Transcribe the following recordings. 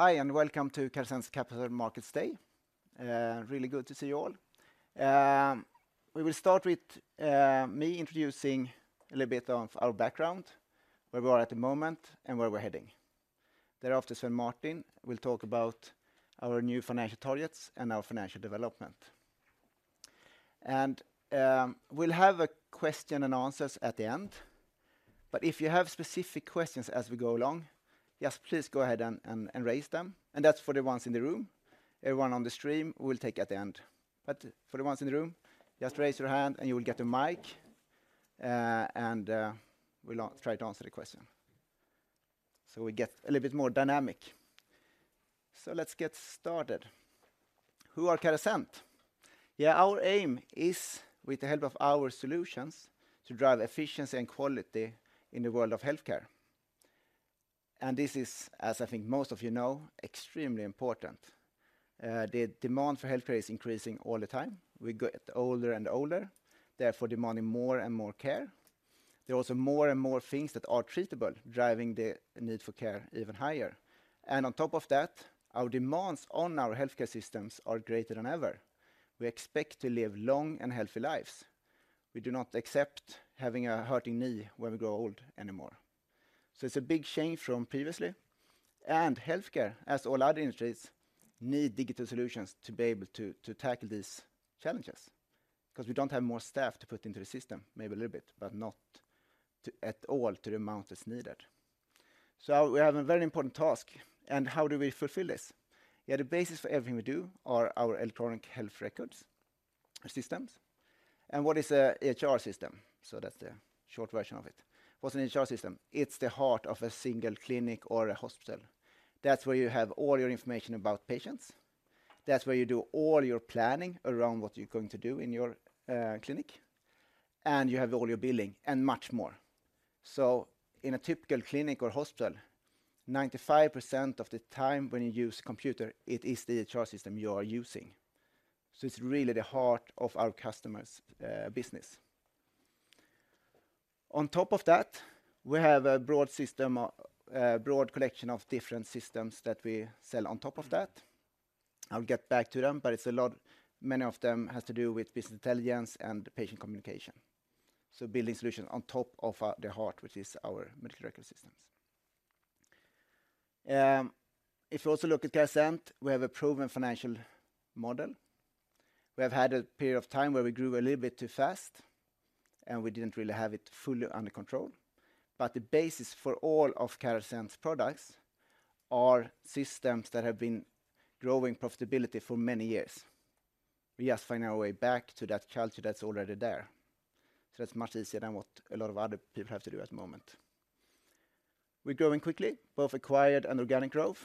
Hi, and welcome to Carasent's Capital Markets Day. Really good to see you all. We will start with me introducing a little bit of our background, where we are at the moment, and where we're heading. Thereafter, Svein Martin will talk about our new financial targets and our financial development. We'll have a question and answers at the end, but if you have specific questions as we go along, just please go ahead and raise them. That's for the ones in the room. Everyone on the stream, we will take at the end. But for the ones in the room, just raise your hand and you will get a mic, and we'll try to answer the question, so we get a little bit more dynamic. Let's get started. Who are Carasent? Yeah, our aim is, with the help of our solutions, to drive efficiency and quality in the world of healthcare. This is, as I think most of you know, extremely important. The demand for healthcare is increasing all the time. We get older and older, therefore demanding more and more care. There are also more and more things that are treatable, driving the need for care even higher. On top of that, our demands on our healthcare systems are greater than ever. We expect to live long and healthy lives. We do not accept having a hurting knee when we grow old anymore. It's a big change from previously, and healthcare, as all other industries, need digital solutions to be able to tackle these challenges, 'cause we don't have more staff to put into the system. Maybe a little bit, but not at all to the amount that's needed. So we have a very important task, and how do we fulfill this? Yeah, the basis for everything we do are our electronic health records systems. And what is a EHR system? So that's the short version of it. What's an EHR system? It's the heart of a single clinic or a hospital. That's where you have all your information about patients. That's where you do all your planning around what you're going to do in your clinic, and you have all your billing and much more. So in a typical clinic or hospital, 95% of the time when you use computer, it is the EHR system you are using. So it's really the heart of our customers' business. On top of that, we have a broad system, a broad collection of different systems that we sell on top of that. I'll get back to them, but it's a lot... Many of them has to do with business intelligence and patient communication. So building solutions on top of the heart, which is our medical record systems. If you also look at Carasent, we have a proven financial model. We have had a period of time where we grew a little bit too fast, and we didn't really have it fully under control. But the basis for all of Carasent's products are systems that have been growing profitability for many years. We are finding our way back to that culture that's already there. So that's much easier than what a lot of other people have to do at the moment. We're growing quickly, both acquired and organic growth,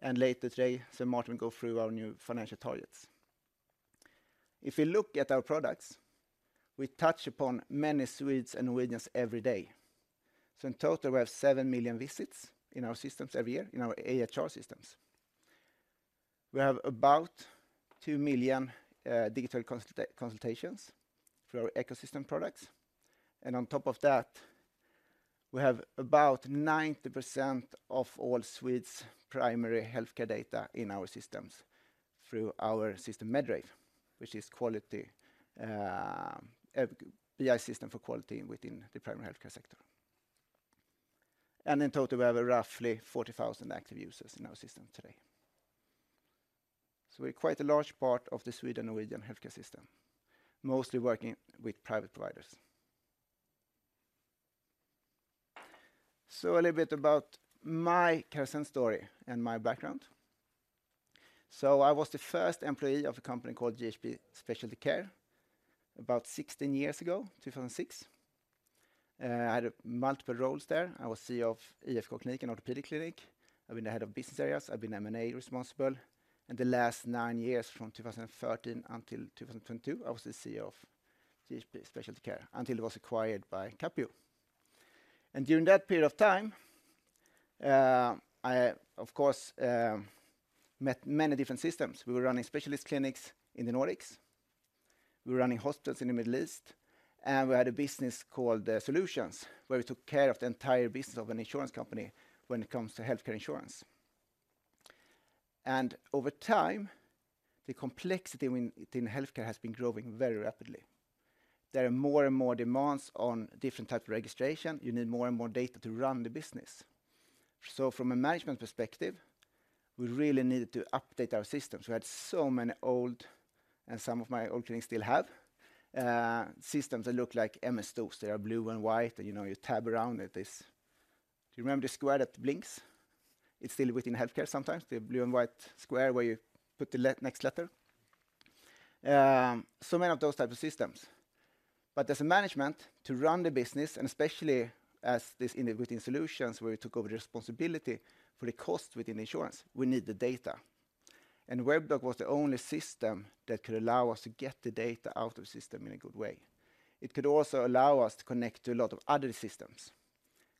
and later today, Svein Martin will go through our new financial targets. If you look at our products, we touch upon many Swedes and Norwegians every day. So in total, we have 7 million visits in our systems every year, in our EHR systems. We have about 2 million digital consultations through our ecosystem products, and on top of that, we have about 90% of all Swedes' primary healthcare data in our systems through our system, Medrave, which is quality BI system for quality within the primary healthcare sector. And in total, we have roughly 40,000 active users in our system today. So we're quite a large part of the Sweden and Norwegian healthcare system, mostly working with private providers. So a little bit about my Carasent story and my background. So I was the first employee of a company called GHP Specialty Care about 16 years ago, 2006. I had multiple roles there. I was CEO of IFK Kliniken, an orthopedic clinic. I've been the head of business areas, I've been M&A responsible, and the last 9 years, from 2013 until 2022, I was the CEO of GHP Specialty Care, until it was acquired by Capio. And during that period of time, I, of course, met many different systems. We were running specialist clinics in the Nordics, we were running hospitals in the Middle East, and we had a business called Solutions, where we took care of the entire business of an insurance company when it comes to healthcare insurance. And over time, the complexity in, in healthcare has been growing very rapidly. There are more and more demands on different types of registration. ..You need more and more data to run the business. So from a management perspective, we really needed to update our systems. We had so many old, and some of my old clinics still have, systems that look like MS-DOS. They are blue and white, and, you know, you tab around it. Do you remember the square that blinks? It's still within healthcare sometimes, the blue and white square where you put the next letter. So many of those type of systems. But as a management, to run the business, and especially as this within Solutions, where we took over responsibility for the cost within insurance, we need the data. And Webdoc was the only system that could allow us to get the data out of the system in a good way. It could also allow us to connect to a lot of other systems,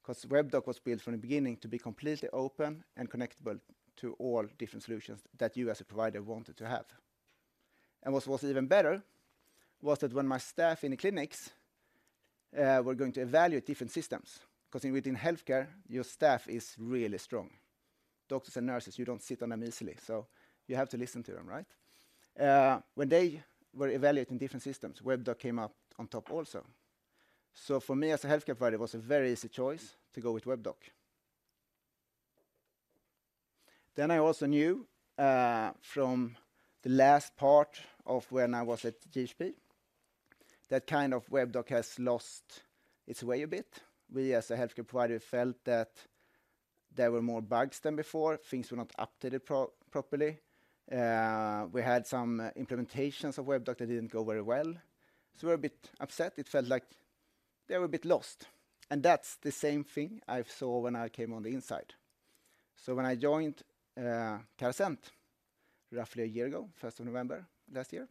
'cause Webdoc was built from the beginning to be completely open and connectable to all different solutions that you as a provider wanted to have.... And what was even better, was that when my staff in the clinics were going to evaluate different systems, 'cause in, within healthcare, your staff is really strong. Doctors and nurses, you don't sit on them easily, so you have to listen to them, right? When they were evaluating different systems, Webdoc came out on top also. So for me as a healthcare provider, it was a very easy choice to go with Webdoc. Then I also knew, from the last part of when I was at GHP, that kind of Webdoc has lost its way a bit. We, as a healthcare provider, felt that there were more bugs than before. Things were not updated properly. We had some implementations of Webdoc that didn't go very well, so we were a bit upset. It felt like they were a bit lost, and that's the same thing I saw when I came on the inside. So when I joined Carasent, roughly a year ago, first of November last year,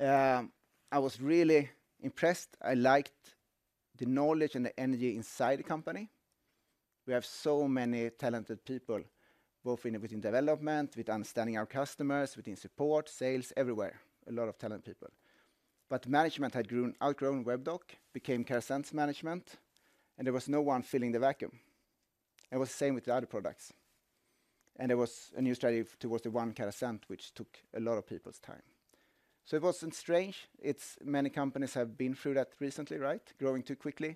I was really impressed. I liked the knowledge and the energy inside the company. We have so many talented people, both within development, with understanding our customers, within support, sales, everywhere, a lot of talented people. But management had outgrown Webdoc, became Carasent's management, and there was no one filling the vacuum, and was the same with the other products. There was a new strategy towards the One Carasent, which took a lot of people's time. So it wasn't strange. It's many companies have been through that recently, right? Growing too quickly,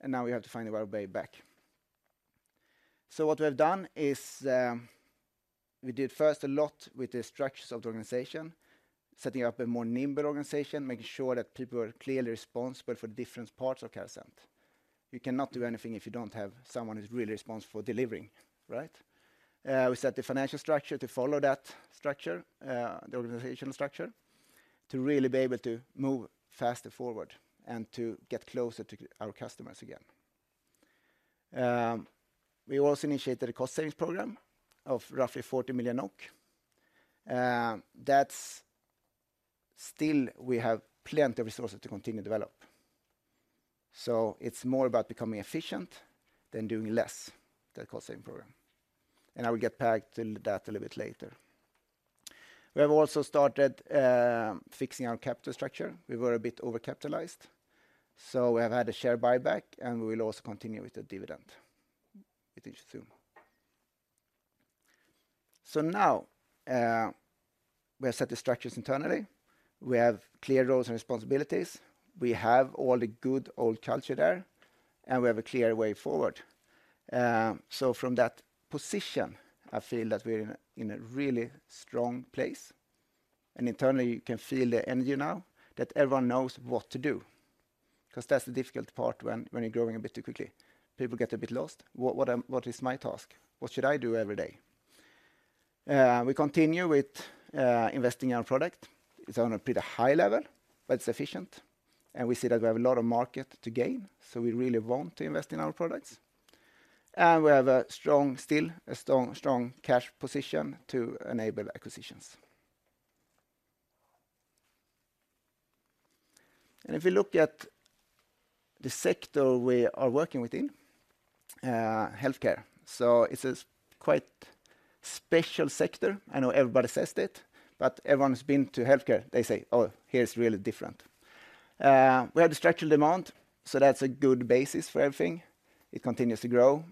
and now we have to find our way back. So what we have done is, we did first a lot with the structures of the organization, setting up a more nimble organization, making sure that people are clearly responsible for the different parts of Carasent. You cannot do anything if you don't have someone who's really responsible for delivering, right? We set the financial structure to follow that structure, the organizational structure, to really be able to move faster forward and to get closer to our customers again. We also initiated a cost-savings program of roughly 40 million NOK. That's still, we have plenty of resources to continue to develop. So it's more about becoming efficient than doing less, the cost-saving program, and I will get back to that a little bit later. We have also started fixing our capital structure. We were a bit overcapitalized, so we have had a share buyback, and we will also continue with the dividend with EGM. So now, we have set the structures internally. We have clear roles and responsibilities. We have all the good old culture there, and we have a clear way forward. So from that position, I feel that we're in a really strong place, and internally, you can feel the energy now that everyone knows what to do, 'cause that's the difficult part when you're growing a bit too quickly, people get a bit lost. What is my task? What should I do every day? We continue with investing in our product. It's on a pretty high level, but it's efficient, and we see that we have a lot of market to gain, so we really want to invest in our products. And we have a strong, still a strong, strong cash position to enable acquisitions. And if you look at the sector we are working within, healthcare. So it's a quite special sector. I know everybody says it, but everyone who's been to healthcare, they say, "Oh, here it's really different." We have the structural demand, so that's a good basis for everything. It continues to grow.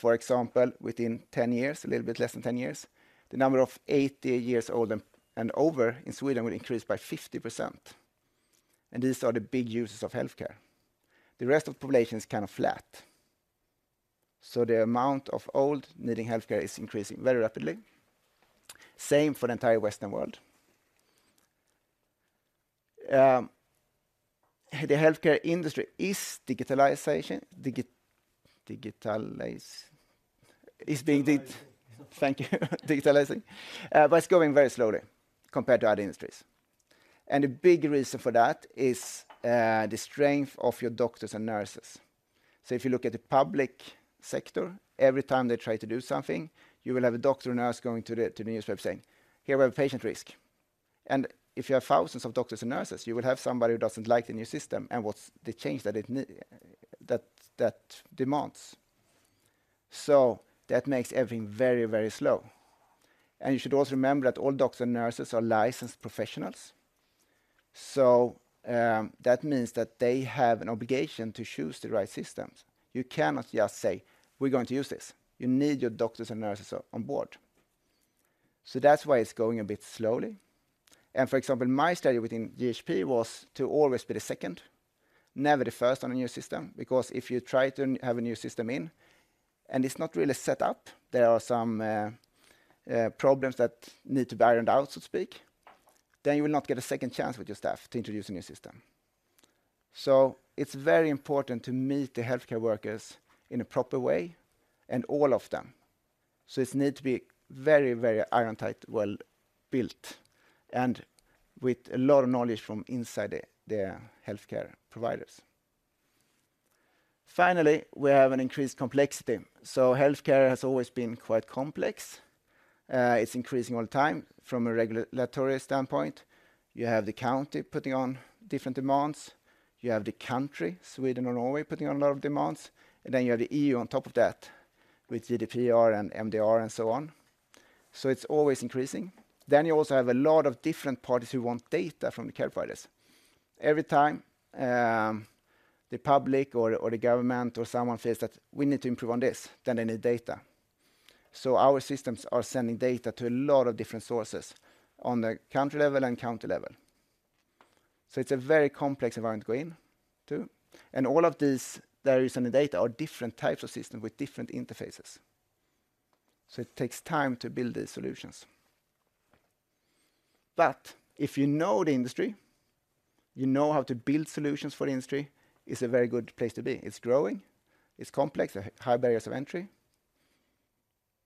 For example, within 10 years, a little bit less than 10 years, the number of 80-year-olds and over in Sweden will increase by 50%, and these are the big users of healthcare. The rest of the population is kind of flat. So the amount of old needing healthcare is increasing very rapidly. Same for the entire Western world. The healthcare industry is digitalization, digitalizing. Thank you. Thank you. Digitalizing, but it's going very slowly compared to other industries. The big reason for that is the strength of your doctors and nurses. So if you look at the public sector, every time they try to do something, you will have a doctor or nurse going to the newspaper saying, "Here we have a patient risk." If you have thousands of doctors and nurses, you will have somebody who doesn't like the new system and what's the change that it demands. So that makes everything very, very slow. You should also remember that all doctors and nurses are licensed professionals, so that means that they have an obligation to choose the right systems. You cannot just say, "We're going to use this." You need your doctors and nurses on board. So that's why it's going a bit slowly, and for example, my study within GHP was to always be the second, never the first on a new system, because if you try to have a new system in and it's not really set up, there are some problems that need to be ironed out, so to speak, then you will not get a second chance with your staff to introduce a new system. So it's very important to meet the healthcare workers in a proper way and all of them. So it needs to be very, very iron tight, well built, and with a lot of knowledge from inside the healthcare providers. Finally, we have an increased complexity. So healthcare has always been quite complex. It's increasing all the time from a regulatory standpoint. You have the county putting on different demands. You have the country, Sweden or Norway, putting on a lot of demands, and then you have the EU on top of that... with GDPR and MDR and so on. So it's always increasing. Then you also have a lot of different parties who want data from the care providers. Every time, the public or the government or someone feels that we need to improve on this, then they need data. So our systems are sending data to a lot of different sources on the country level and county level. So it's a very complex environment to go into, and all of these various data are different types of systems with different interfaces. So it takes time to build these solutions. But if you know the industry, you know how to build solutions for the industry, it's a very good place to be. It's growing, it's complex, high barriers of entry,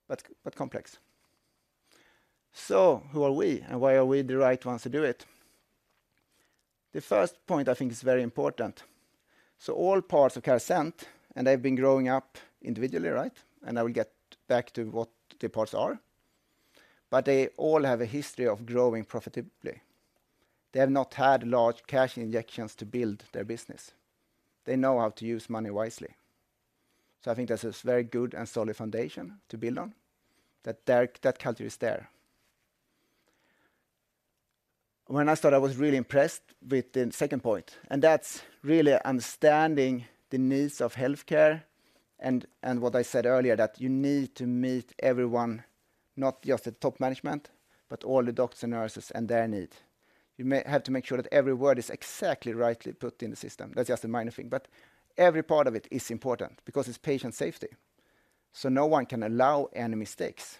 but, but complex. So who are we, and why are we the right ones to do it? The first point, I think, is very important. So all parts of Carasent, and they've been growing up individually, right? And I will get back to what the parts are. But they all have a history of growing profitably. They have not had large cash injections to build their business. They know how to use money wisely. So I think that's a very good and solid foundation to build on, that, that culture is there. When I started, I was really impressed with the second point, and that's really understanding the needs of healthcare and, and what I said earlier, that you need to meet everyone, not just the top management, but all the doctors and nurses and their need. You may have to make sure that every word is exactly rightly put in the system. That's just a minor thing, but every part of it is important because it's patient safety, so no one can allow any mistakes.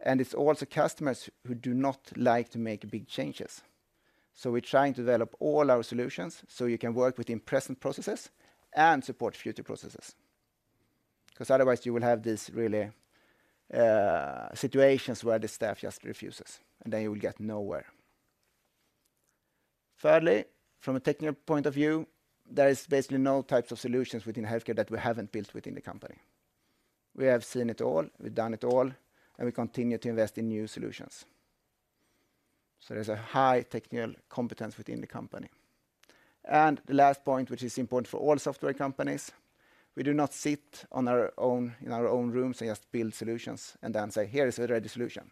And it's also customers who do not like to make big changes. So we're trying to develop all our solutions so you can work within present processes and support future processes, 'cause otherwise you will have this really situations where the staff just refuses, and then you will get nowhere. Thirdly, from a technical point of view, there is basically no types of solutions within healthcare that we haven't built within the company. We have seen it all, we've done it all, and we continue to invest in new solutions. So there's a high technical competence within the company. The last point, which is important for all software companies, we do not sit on our own, in our own rooms and just build solutions and then say, "Here is a ready solution."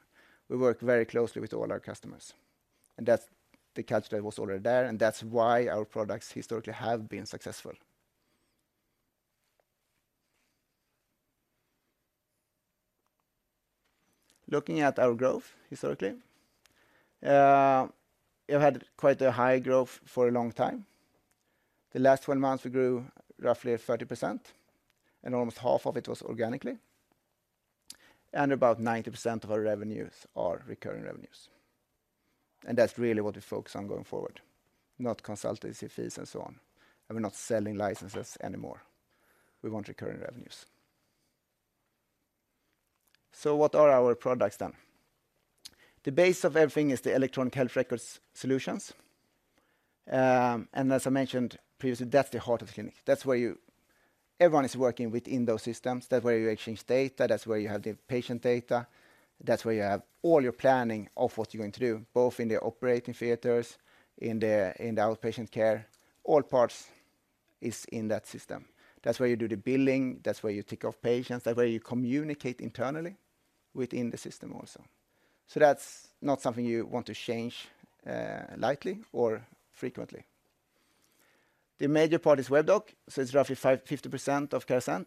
We work very closely with all our customers, and that's the culture that was already there, and that's why our products historically have been successful. Looking at our growth historically, we've had quite a high growth for a long time. The last 12 months, we grew roughly at 30%, and almost half of it was organically, and about 90% of our revenues are recurring revenues. That's really what we focus on going forward, not consultancy fees and so on, and we're not selling licenses anymore. We want recurring revenues. What are our products, then? The base of everything is the electronic health records solutions. And as I mentioned previously, that's the heart of the clinic. That's where everyone is working within those systems. That's where you exchange data, that's where you have the patient data, that's where you have all your planning of what you're going to do, both in the operating theaters, in the outpatient care. All parts is in that system. That's where you do the billing, that's where you take care of patients, that's where you communicate internally within the system also. So that's not something you want to change lightly or frequently. The major part is Webdoc, so it's roughly 50% of Carasent.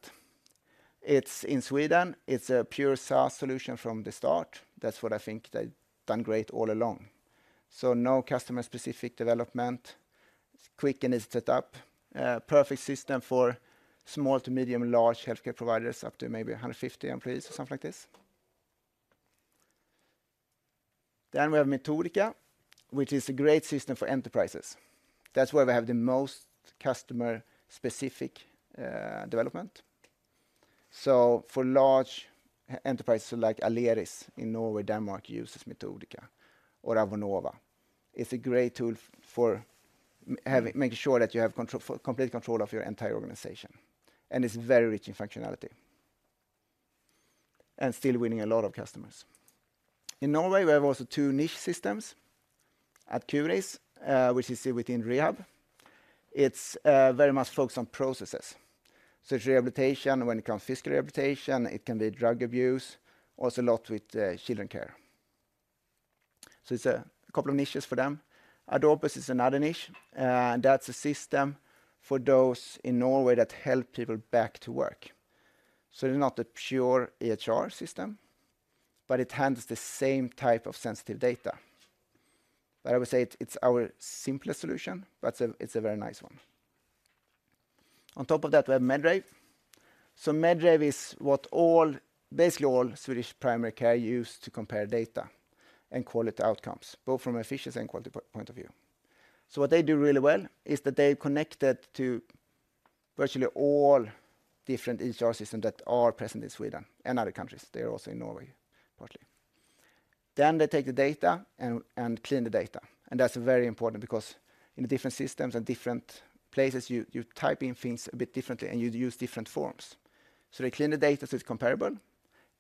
It's in Sweden. It's a pure SaaS solution from the start. That's what I think they've done great all along. So no customer-specific development, it's quick and easy to set up. Perfect system for small to medium, large healthcare providers, up to maybe 150 employees or something like this. Then we have Metodika, which is a great system for enterprises. That's where we have the most customer-specific development. So for large enterprises like Aleris in Norway, Denmark, uses Metodika or Avonova. It's a great tool for making sure that you have control, complete control of your entire organization, and it's very rich in functionality, and still winning a lot of customers. In Norway, we have also two niche systems. AdCuris, which is within rehab, it's very much focused on processes, such rehabilitation, when it comes to physical rehabilitation, it can be drug abuse, also a lot with children care. So it's a couple of niches for them. AdOpus is another niche, and that's a system for those in Norway that help people back to work. So it's not a pure EHR system, but it handles the same type of sensitive data. But I would say it, it's our simplest solution, but it's a, it's a very nice one. On top of that, we have Medrave. So Medrave is what all, basically all Swedish primary care use to compare data and quality outcomes, both from efficiency and quality point of view. So what they do really well is that they're connected to virtually all different EHR systems that are present in Sweden and other countries. They are also in Norway, partly. Then they take the data and clean the data, and that's very important because in the different systems and different places, you type in things a bit differently, and you use different forms. So they clean the data, so it's comparable.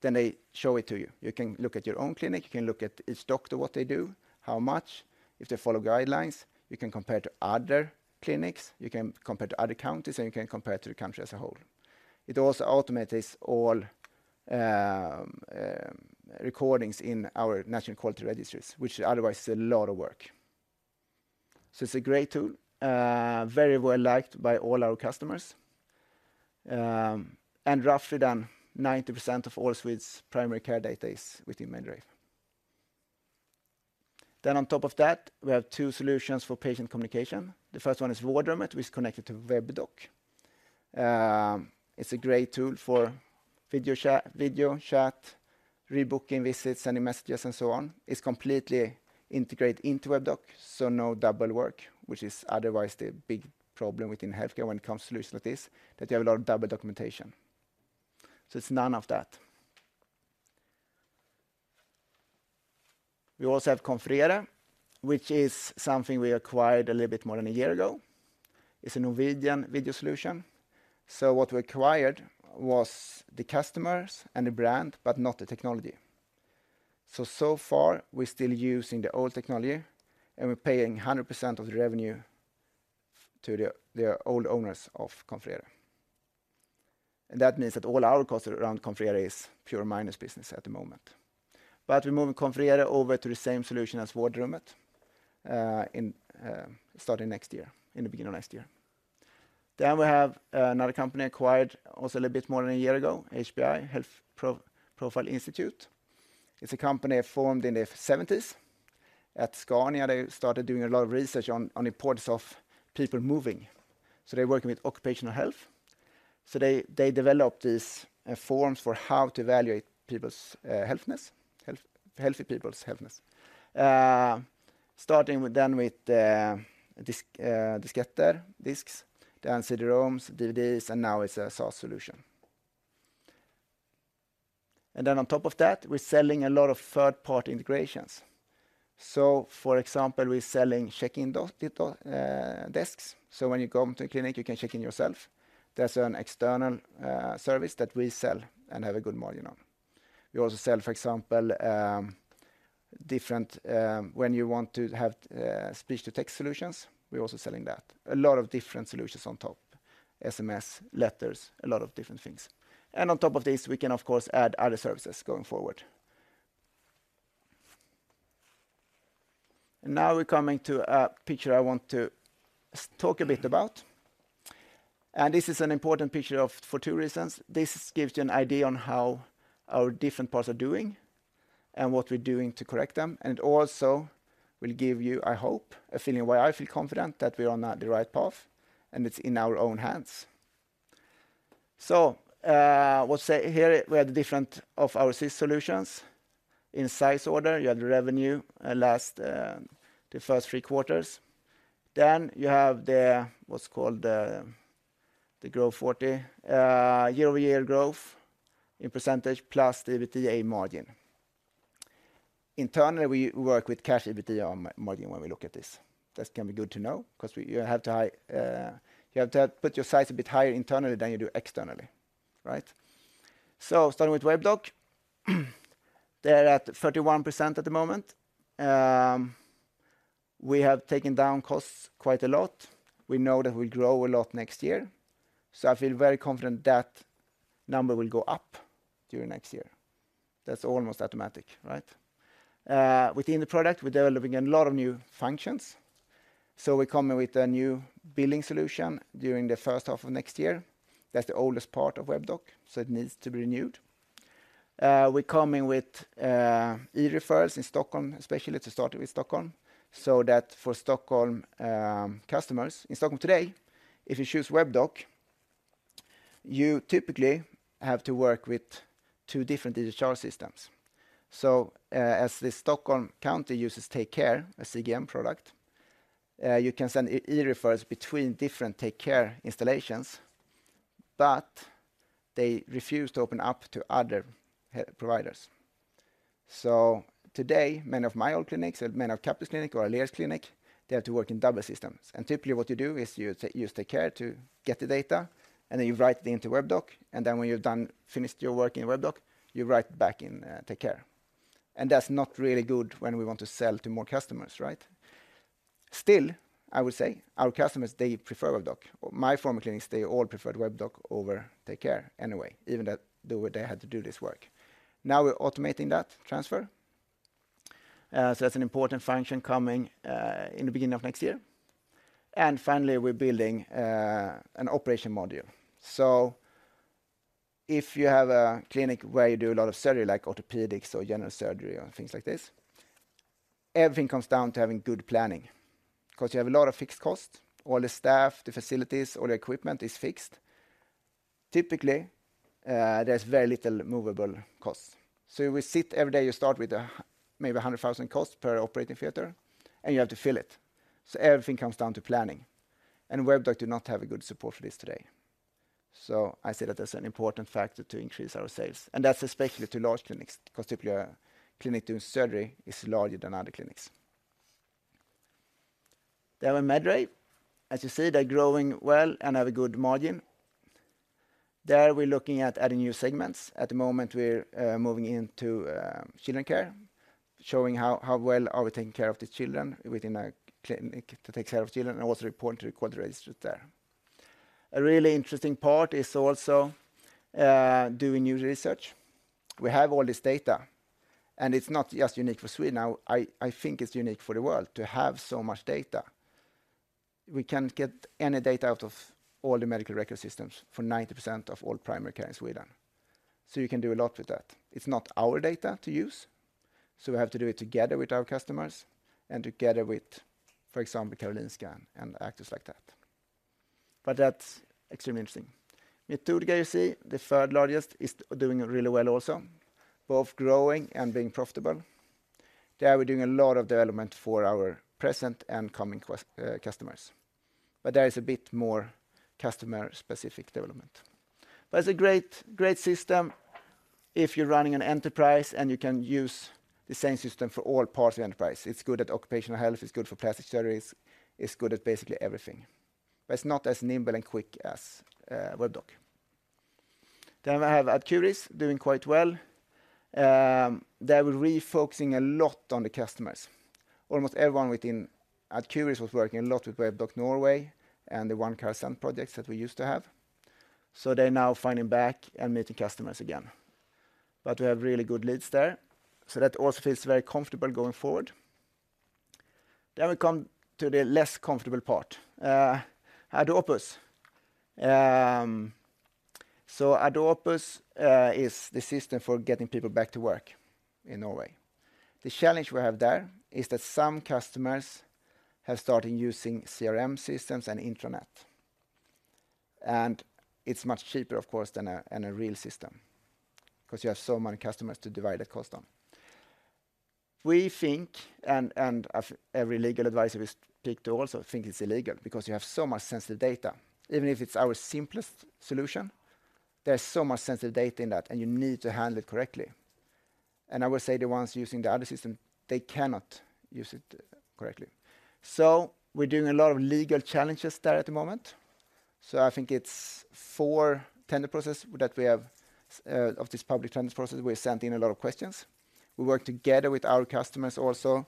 Then they show it to you. You can look at your own clinic, you can look at each doctor, what they do, how much, if they follow guidelines. You can compare to other clinics, you can compare to other counties, and you can compare to the country as a whole. It also automates all recordings in our national quality registries, which otherwise is a lot of work. So it's a great tool, very well-liked by all our customers. And roughly than 90% of all Sweden's primary care data is within Medrave. Then on top of that, we have two solutions for patient communication. The first one is Vårdrummet, which is connected to Webdoc. It's a great tool for video chat, video chat, rebooking visits, sending messages, and so on. It's completely integrated into Webdoc, so no double work, which is otherwise the big problem within healthcare when it comes to solutions like this, that you have a lot of double documentation. So it's none of that. We also have Confrere, which is something we acquired a little bit more than a year ago. It's a Norwegian video solution. So what we acquired was the customers and the brand, but not the technology. So far, we're still using the old technology, and we're paying 100% of the revenue to the old owners of Confrere. And that means that all our costs around Confrere is pure minus business at the moment. But we're moving Confrere over to the same solution as Vårdrummet, starting next year, in the beginning of next year. Then we have another company acquired also a little bit more than a year ago, HPI, Health Profile Institute. It's a company formed in the 1970s. At Scania, they started doing a lot of research on the importance of people moving, so they're working with occupational health. So they developed these forms for how to evaluate people's healthiness, healthy people's healthiness. Starting with then with disk disketter disks, then CD-ROMs, DVDs, and now it's a SaaS solution. And then on top of that, we're selling a lot of third-party integrations. So for example, we're selling check-in digital desks. So when you come to a clinic, you can check in yourself. That's an external servers that we sell and have a good margin on. We also sell, for example, different--when you want to have speech-to-text solutions, we're also selling that. A lot of different solutions on top, SMS, letters, a lot of different things. And on top of this, we can, of course, add other services going forward. And now we're coming to a picture I want to talk a bit about. And this is an important picture for two reasons. This gives you an idea on how our different parts are doing and what we're doing to correct them, and it also will give you, I hope, a feeling of why I feel confident that we are on the right path and it's in our own hands. So, what's here, we have the different of our SaaS solutions. In size order, you have the revenue last the first three quarters. Then you have what's called the Rule of 40 year-over-year growth in percentage, plus the EBITDA margin. Internally, we work with cash EBITDA margin when we look at this. That can be good to know 'cause you have to put your sights a bit higher internally than you do externally, right? So starting with Webdoc, they're at 31% at the moment. We have taken down costs quite a lot. We know that we'll grow a lot next year, so I feel very confident that number will go up during next year. That's almost automatic, right? Within the product, we're developing a lot of new functions, so we're coming with a new billing solution during the first half of next year. That's the oldest part of Webdoc, so it needs to be renewed. We're coming with e-Referrals in Stockholm, especially to start with Stockholm, so that for Stockholm customers— In Stockholm today, if you choose Webdoc, you typically have to work with two different digital systems. So, as the Stockholm County uses TakeCare, a CGM product, you can send e-Referrals between different TakeCare installations, but they refuse to open up to other providers. So today, many of my old clinics, and many of Capio's clinics or Aleris's clinics, they have to work in double systems. And typically, what you do is you use TakeCare to get the data, and then you write it into Webdoc, and then when you're done, finished your work in Webdoc, you write back in TakeCare. And that's not really good when we want to sell to more customers, right? Still, I would say our customers, they prefer Webdoc. My former clinics, they all preferred Webdoc over TakeCare anyway, even that they would they had to do this work. Now we're automating that transfer, so that's an important function coming in the beginning of next year. And finally, we're building an operation module. So if you have a clinic where you do a lot of surgery, like orthopedics or general surgery or things like this, everything comes down to having good planning. 'Cause you have a lot of fixed costs, all the staff, the facilities, all the equipment is fixed. Typically, there's very little movable costs. So we sit every day, you start with maybe 100,000 costs per operating theater, and you have to fill it. So everything comes down to planning. Webdoc do not have a good support for this today. So I see that as an important factor to increase our sales, and that's especially to large clinics, 'cause typically, a clinic doing surgery is larger than other clinics. Then we have Medrave. As you see, they're growing well and have a good margin. There, we're looking at adding new segments. At the moment, we're moving into children care, showing how well are we taking care of the children within a clinic to take care of children, and also reporting to the quality register there. A really interesting part is also doing new research. We have all this data, and it's not just unique for Sweden. Now, I think it's unique for the world to have so much data. We can get any data out of all the medical record systems for 90% of all primary care in Sweden. So you can do a lot with that. It's not our data to use, so we have to do it together with our customers and together with, for example, Karolinska and actors like that. But that's extremely interesting. Metodika, you see, the third largest, is doing really well also, both growing and being profitable. There, we're doing a lot of development for our present and coming customers, but there is a bit more customer-specific development. But it's a great, great system if you're running an enterprise, and you can use the same system for all parts of the enterprise. It's good at occupational health, it's good for plastic surgeries, it's good at basically everything. But it's not as nimble and quick as Webdoc. Then we have AdCuris doing quite well. They were refocusing a lot on the customers. Almost everyone within AdCuris was working a lot with Webdoc Norway and the One Carasent projects that we used to have. So they're now finding back and meeting customers again. But we have really good leads there, so that also feels very comfortable going forward. Then we come to the less comfortable part, AdOpus. So AdOpus is the system for getting people back to work in Norway. The challenge we have there is that some customers have started using CRM systems and intranet, and it's much cheaper, of course, than a real system 'cause you have so many customers to divide the cost on. We think, and every legal advisor we speak to also think it's illegal because you have so much sensitive data. Even if it's our simplest solution, there's so much sensitive data in that, and you need to handle it correctly. And I would say the ones using the other system, they cannot use it correctly. So we're doing a lot of legal challenges there at the moment. So I think it's four tender process that we have, of this public tender process, we're sending a lot of questions. We work together with our customers also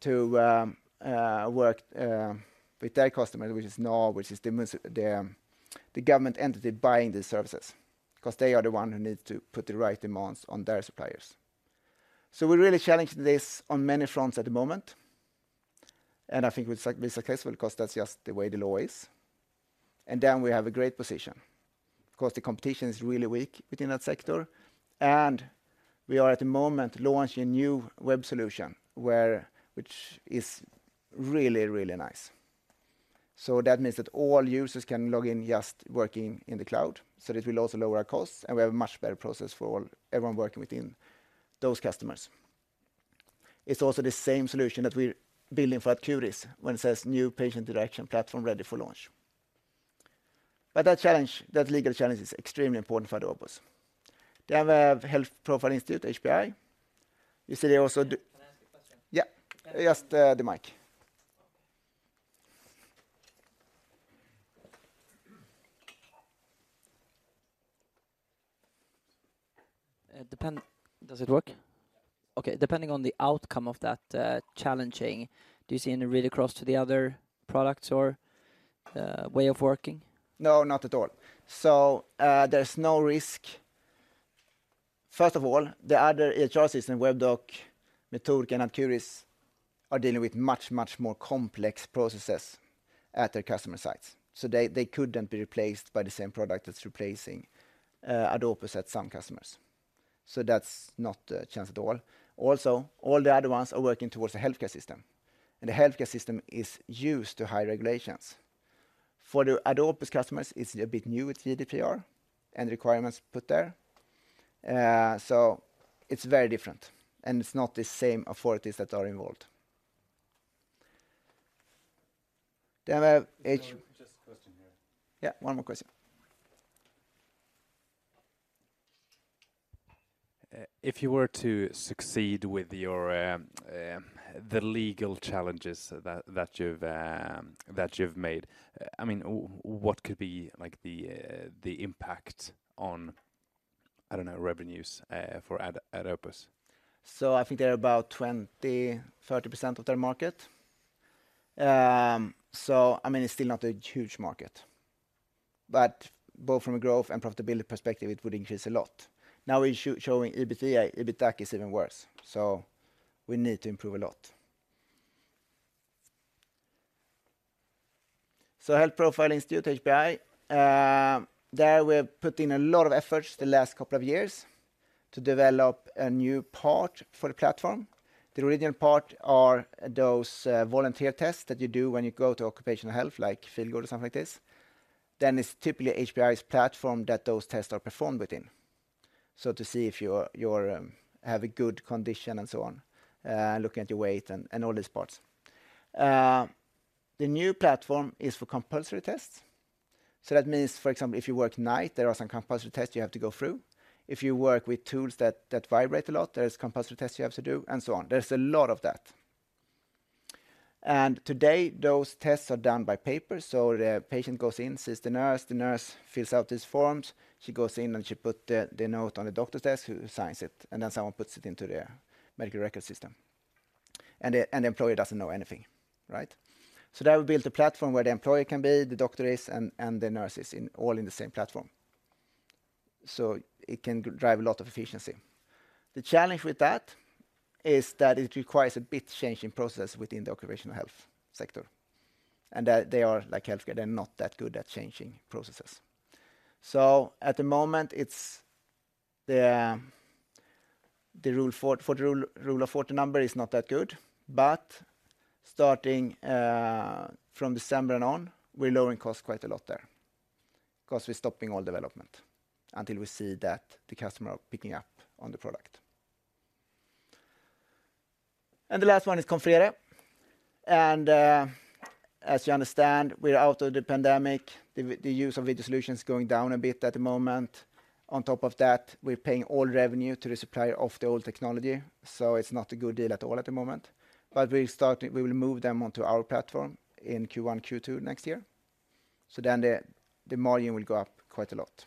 to work with their customer, which is NAV, which is the the government entity buying these services, 'cause they are the one who need to put the right demands on their suppliers. So we're really challenging this on many fronts at the moment, and I think we'll be successful 'cause that's just the way the law is. And then we have a great position, 'cause the competition is really weak within that sector, and we are at the moment launching a new web solution, where, which is really, really nice. So that means that all users can log in, just working in the cloud, so it will also lower our costs, and we have a much better process for all everyone working within those customers. It's also the same solution that we're building for Adcuris, when it says, "New patient interaction platform ready for launch." But that challenge, that legal challenge, is extremely important for AdOpus. Then we have Health Profile Institute (HPI). You see, they also do- Can I ask a question? Yeah. Just, the mic. Does it work? Yeah. Okay. Depending on the outcome of that challenging, do you see any read-across to the other products or way of working? No, not at all. So, there's no risk. First of all, the other EHR system, Webdoc, Metodika, and AdCuris, are dealing with much, much more complex processes at their customer sites. So they, they couldn't be replaced by the same product that's replacing AdOpus at some customers. So that's not a chance at all. Also, all the other ones are working towards the healthcare system, and the healthcare system is used to high regulations. For the AdOpus customers, it's a bit new with GDPR and requirements put there. So it's very different, and it's not the same authorities that are involved. Then we have H- Just a question here. Yeah, one more question. If you were to succeed with your the legal challenges that you've made, I mean, what could be like the impact on, I don't know, revenues for AdOpus? So I think they're about 20%-30% of their market. So I mean, it's still not a huge market, but both from a growth and profitability perspective, it would increase a lot. Now, we're showing EBITDA, EBITDA is even worse, so we need to improve a lot. So Health Profile Institute, HPI, there we have put in a lot of efforts the last couple of years to develop a new part for the platform. The original part are those volunteer tests that you do when you go to occupational health, like Feelgood or something like this. Then it's typically HPI's platform that those tests are performed within. So to see if you're have a good condition and so on, looking at your weight and all these parts. The new platform is for compulsory tests-... So that means, for example, if you work night, there are some compulsory tests you have to go through. If you work with tools that vibrate a lot, there is compulsory tests you have to do, and so on. There's a lot of that. And today, those tests are done by paper, so the patient goes in, sees the nurse, the nurse fills out these forms. She goes in, and she put the note on the doctor's desk, who signs it, and then someone puts it into their medical record system. And the employee doesn't know anything, right? So there we built a platform where the employee can be, the doctor is, and the nurse is in all in the same platform. So it can drive a lot of efficiency. The challenge with that is that it requires a big change in process within the occupational health sector, and that they are like healthcare, they're not that good at changing processes. So at the moment, it's the rule of 40 number is not that good, but starting from December and on, we're lowering cost quite a lot there 'cause we're stopping all development until we see that the customer are picking up on the product. And the last one is Confrere. And, as you understand, we're out of the pandemic, the use of video solution is going down a bit at the moment. On top of that, we're paying all revenue to the supplier of the old technology, so it's not a good deal at all at the moment. We will move them onto our platform in Q1, Q2 next year, so then the, the margin will go up quite a lot.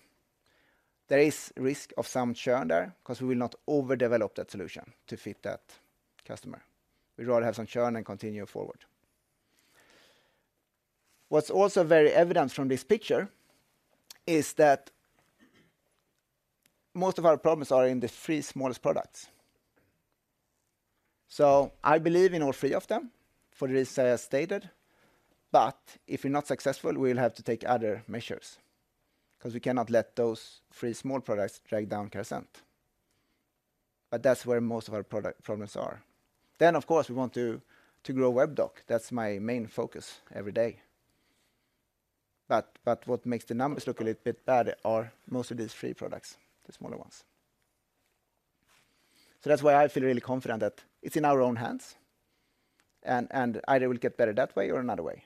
There is risk of some churn there 'cause we will not overdevelop that solution to fit that customer. We'd rather have some churn and continue forward. What's also very evident from this picture is that most of our problems are in the three smallest products. So I believe in all three of them, for the reasons I stated, but if we're not successful, we'll have to take other measures, 'cause we cannot let those three small products drag down Carasent. But that's where most of our product problems are. Then, of course, we want to, to grow Webdoc. That's my main focus every day. But, but what makes the numbers look a little bit bad are most of these three products, the smaller ones. So that's why I feel really confident that it's in our own hands, and, and either we'll get better that way or another way.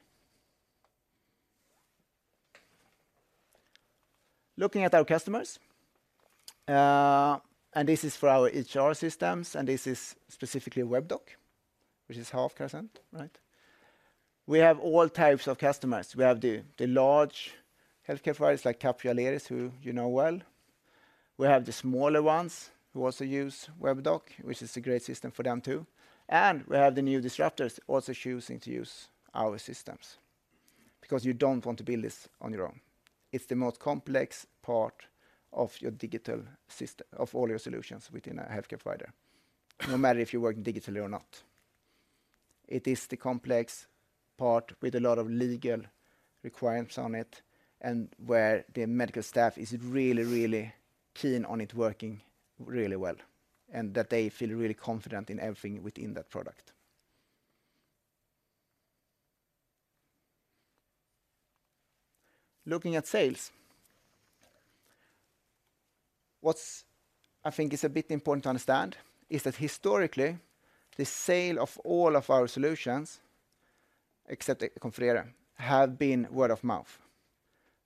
Looking at our customers, and this is for our HR systems, and this is specifically Webdoc, which is half Carasent, right? We have all types of customers. We have the large healthcare providers like Capio, Aleris, who you know well. We have the smaller ones, who also use Webdoc, which is a great system for them, too. And we have the new disruptors also choosing to use our systems, because you don't want to build this on your own. It's the most complex part of your digital system of all your solutions within a healthcare provider, no matter if you're working digitally or not. It is the complex part with a lot of legal requirements on it, and where the medical staff is really, really keen on it working really well, and that they feel really confident in everything within that product. Looking at sales, what I think is a bit important to understand is that historically, the sale of all of our solutions, except Confrere, have been word of mouth.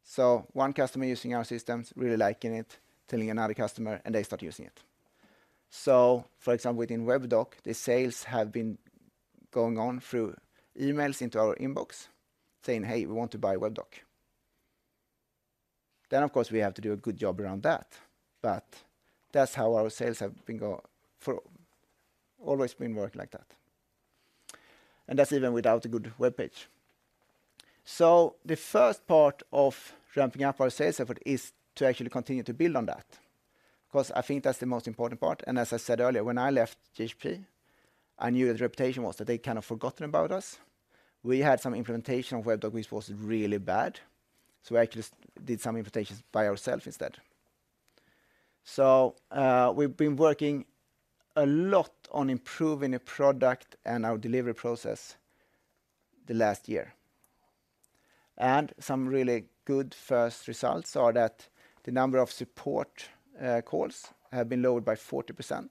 So one customer using our systems, really liking it, telling another customer, and they start using it. So for example, within Webdoc, the sales have been going on through emails into our inbox, saying, "Hey, we want to buy Webdoc." Then, of course, we have to do a good job around that, but that's how our sales have always been working like that. And that's even without a good webpage. So the first part of ramping up our sales effort is to actually continue to build on that, 'cause I think that's the most important part. And as I said earlier, when I left GHP, I knew the reputation was that they'd kind of forgotten about us. We had some implementation of Webdoc, which was really bad, so we actually did some implementations by ourselves instead. So, we've been working a lot on improving the product and our delivery process the last year. And some really good first results are that the number of support calls have been lowered by 40%.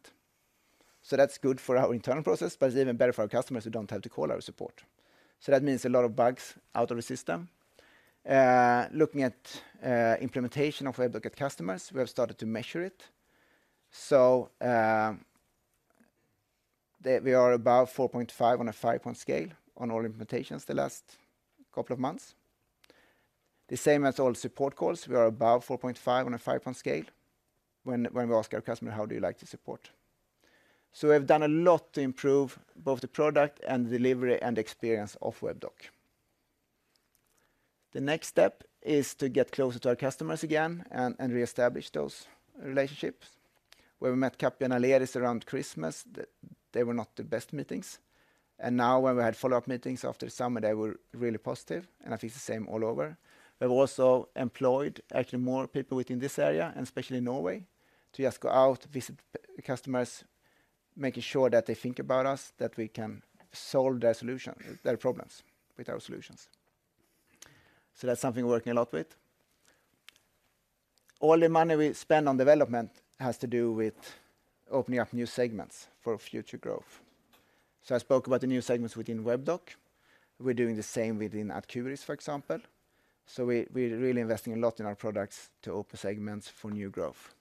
So that's good for our internal process, but it's even better for our customers who don't have to call our support. So that means a lot of bugs out of the system. Looking at implementation of Webdoc at customers, we have started to measure it. So, we are about 4.5 on a 5-point scale on all implementations the last couple of months. The same as all support calls, we are about 4.5 on a 5-point scale when we ask our customer: "How do you like the support?" So we have done a lot to improve both the product and the delivery and experience of Webdoc. The next step is to get closer to our customers again and reestablish those relationships. When we met Capio and Aleris around Christmas, they were not the best meetings. And now, when we had follow-up meetings after summer, they were really positive, and I think the same all over. We've also employed actually more people within this area, and especially in Norway, to just go out, visit the customers, making sure that they think about us, that we can solve their solution, their problems with our solutions. So that's something we're working a lot with. All the money we spend on development has to do with opening up new segments for future growth. So I spoke about the new segments within Webdoc. We're doing the same within AdCuris, for example. So we're really investing a lot in our products to open segments for new growth.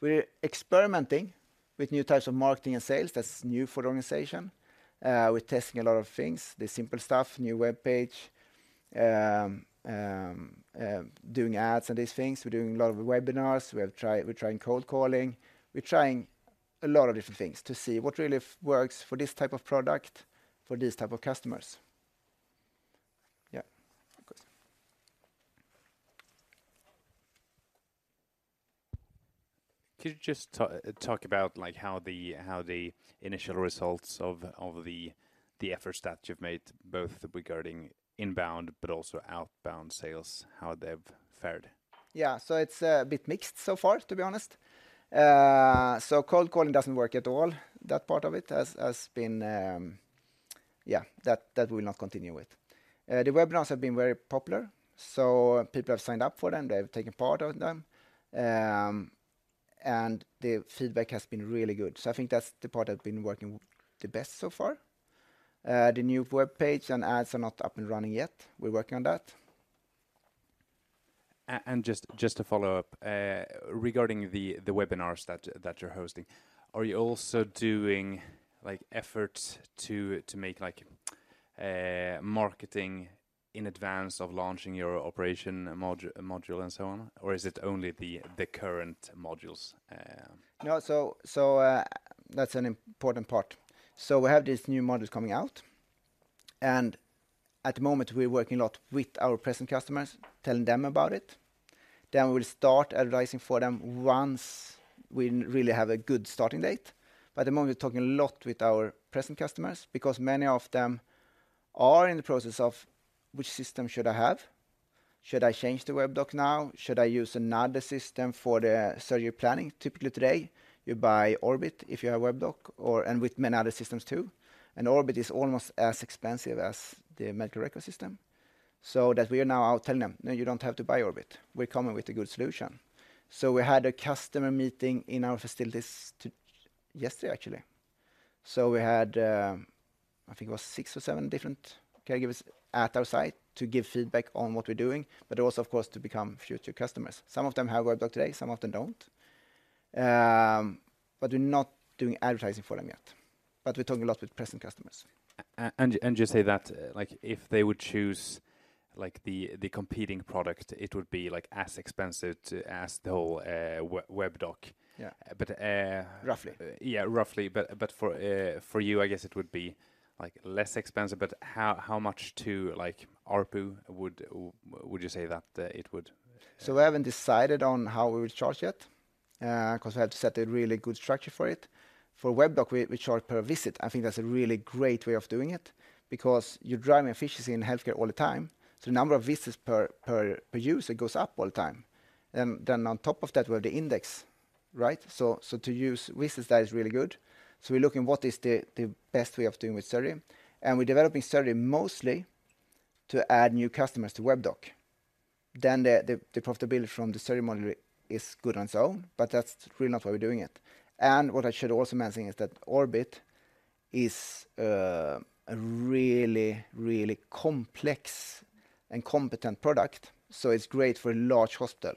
We're experimenting with new types of marketing and sales that's new for the organization. We're testing a lot of things, the simple stuff, new webpage, doing ads and these things. We're doing a lot of webinars. We're trying cold calling. We're trying a lot of different things to see what really works for this type of product, for this type of customers. Yeah, of course. Could you just talk about, like, how the initial results of the efforts that you've made, both regarding inbound but also outbound sales, how they've fared? Yeah. So it's a bit mixed so far, to be honest. So cold calling doesn't work at all. That part of it has been, yeah, that we'll not continue with. The webinars have been very popular, so people have signed up for them, they have taken part on them, and the feedback has been really good. So I think that's the part that's been working the best so far. The new webpage and ads are not up and running yet. We're working on that. And just to follow up, regarding the webinars that you're hosting, are you also doing, like, efforts to make, like, marketing in advance of launching your operation module and so on? Or is it only the current modules? No, so, so, that's an important part. So we have these new modules coming out, and at the moment we're working a lot with our present customers, telling them about it. Then we'll start advertising for them once we really have a good starting date. But at the moment, we're talking a lot with our present customers because many of them are in the process of: which system should I have? Should I change to Webdoc now? Should I use another system for the surgery planning? Typically today, you buy Orbit if you have Webdoc, or and with many other systems too, and Orbit is almost as expensive as the medical record system. So that we are now out telling them, "No, you don't have to buy Orbit. We're coming with a good solution." So we had a customer meeting in our facilities yesterday, actually. We had, I think it was six or seven different caregivers at our site to give feedback on what we're doing, but also, of course, to become future customers. Some of them have Webdoc today, some of them don't. But we're not doing advertising for them yet. But we're talking a lot with present customers. Just say that, like, if they would choose, like, the competing product, it would be, like, as expensive as the whole Webdoc? Yeah. But, uh- Roughly. Yeah, roughly. But for you, I guess it would be, like, less expensive, but how much to, like, ARPU would you say that it would? So we haven't decided on how we will charge yet, 'cause we have to set a really good structure for it. For Webdoc, we charge per visit. I think that's a really great way of doing it because you're driving efficiency in healthcare all the time, so the number of visits per user goes up all the time. And then on top of that, we have the index, right? So to use visits, that is really good. So we're looking at what is the best way of doing with surgery, and we're developing surgery mostly to add new customers to Webdoc. Then the profitability from the surgery module is good on its own, but that's really not why we're doing it. And what I should also mention is that Orbit is a really, really complex and competent product, so it's great for a large hospital.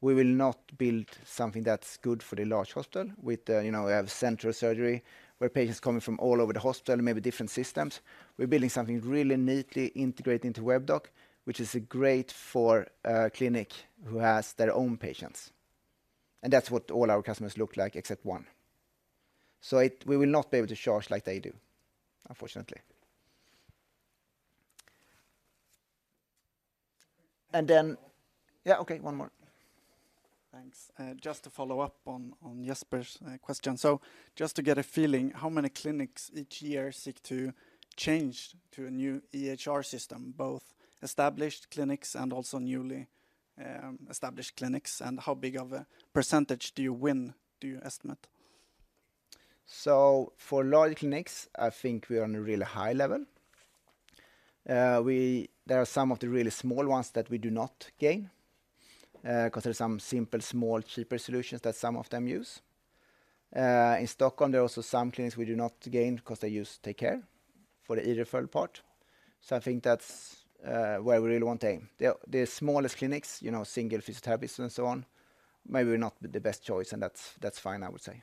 We will not build something that's good for the large hospital with, you know, we have central surgery, where patients coming from all over the hospital, maybe different systems. We're building something really neatly integrated into Webdoc, which is a great for a clinic who has their own patients, and that's what all our customers look like, except one. So it... We will not be able to charge like they do, unfortunately. And then... Yeah, okay, one more. Thanks. Just to follow up on Jesper's question. So just to get a feeling, how many clinics each year seek to change to a new EHR system, both established clinics and also newly established clinics, and how big of a percentage do you win, do you estimate? So for large clinics, I think we are on a really high level. There are some of the really small ones that we do not gain, 'cause there are some simple, small, cheaper solutions that some of them use. In Stockholm, there are also some clinics we do not gain 'cause they use TakeCare for the e-referral part. So I think that's where we really want to aim. The smallest clinics, you know, single physical therapist and so on, maybe we're not the best choice, and that's fine, I would say.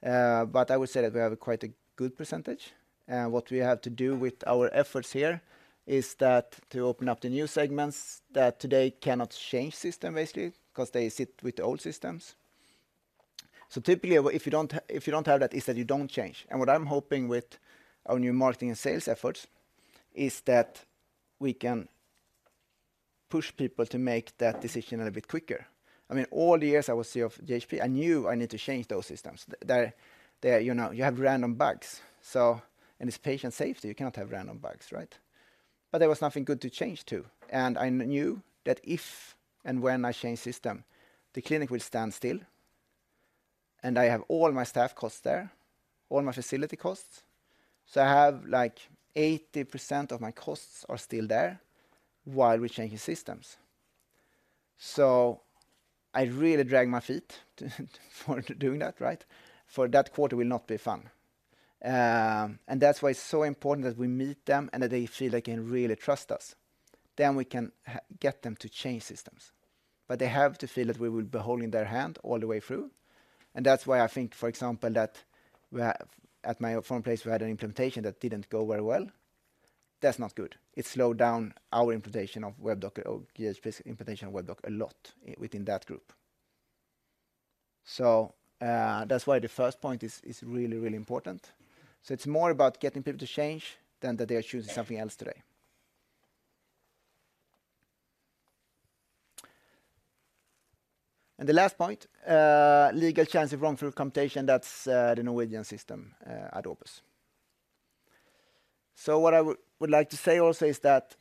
But I would say that we have quite a good percentage, and what we have to do with our efforts here is that to open up the new segments that today cannot change system basically, 'cause they sit with the old systems. So typically, if you don't have that, is that you don't change. And what I'm hoping with our new marketing and sales efforts is that we can push people to make that decision a little bit quicker. I mean, all the years I was CEO of GHP, I knew I need to change those systems. They, they are, you know, you have random bugs, so. And it's patient safety, you cannot have random bugs, right? But there was nothing good to change to, and I knew that if and when I change system, the clinic will stand still. And I have all my staff costs there, all my facility costs. So I have, like, 80% of my costs are still there while we're changing systems. So I really drag my feet for doing that, right? For that quarter will not be fun. And that's why it's so important that we meet them and that they feel they can really trust us, then we can get them to change systems. But they have to feel that we will be holding their hand all the way through, and that's why I think, for example, at my former place, we had an implementation that didn't go very well. That's not good. It slowed down our implementation of Webdoc or GHP implementation of Webdoc a lot within that group. So that's why the first point is really, really important. So it's more about getting people to change than that they are choosing something else today. And the last point, legal change of run-through computation, that's the Norwegian system, Adopus. So what I would like to say also is that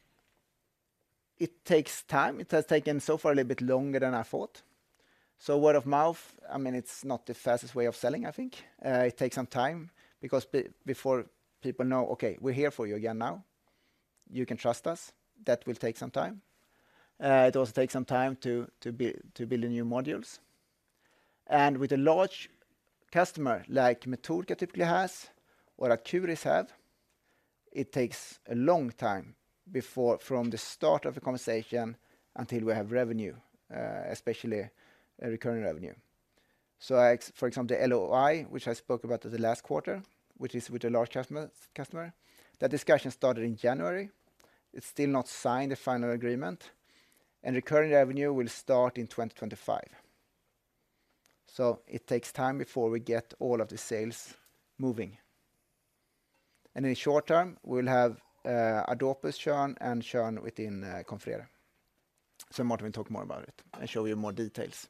it takes time. It has taken so far a little bit longer than I thought. So word of mouth, I mean, it's not the fastest way of selling, I think. It takes some time because before people know, "Okay, we're here for you again now. You can trust us," that will take some time. It also takes some time to build the new modules. And with a large customer, like Metodika typically has or AdCuris have, it takes a long time, from the start of the conversation until we have revenue, especially a recurring revenue. So like, for example, the LOI, which I spoke about at the last quarter, which is with a large customer, that discussion started in January. It's still not signed the final agreement, and recurring revenue will start in 2025. So it takes time before we get all of the sales moving. In the short term, we'll have AdOpus, churn and churn within Confrere. So Martin will talk more about it and show you more details.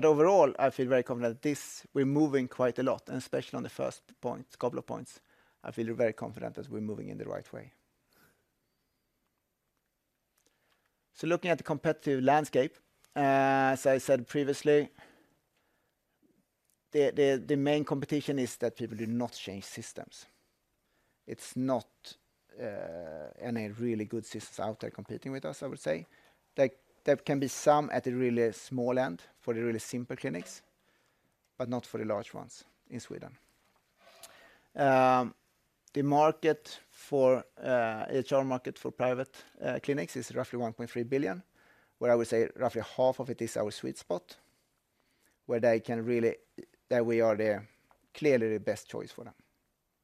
But overall, I feel very confident this... we're moving quite a lot, and especially on the first point, couple of points, I feel very confident that we're moving in the right way. Looking at the competitive landscape, as I said previously, the main competition is that people do not change systems. It's not any really good systems out there competing with us, I would say. Like, there can be some at the really small end for the really simple clinics, but not for the large ones in Sweden. The market for EHR market for private clinics is roughly 1.3 billion, where I would say roughly half of it is our sweet spot, where they can really-- that we are clearly the best choice for them.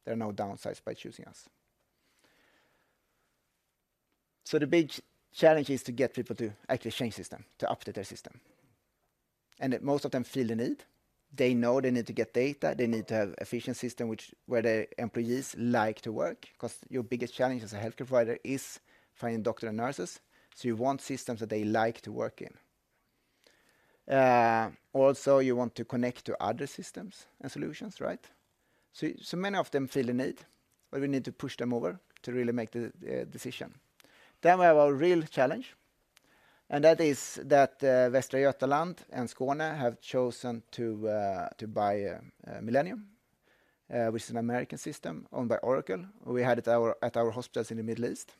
There are no downsides by choosing us. So the big challenge is to get people to actually change system, to update their system, and that most of them feel the need. They know they need to get data. They need to have efficient system, which where the employees like to work, 'cause your biggest challenge as a healthcare provider is finding doctor and nurses. So you want systems that they like to work in. Also, you want to connect to other systems and solutions, right? So, so many of them feel the need, but we need to push them over to really make the decision. Then we have our real challenge, and that is that Västra Götaland and Skåne have chosen to buy Millennium, which is an American system owned by Oracle. We had it at our hospitals in the Middle East.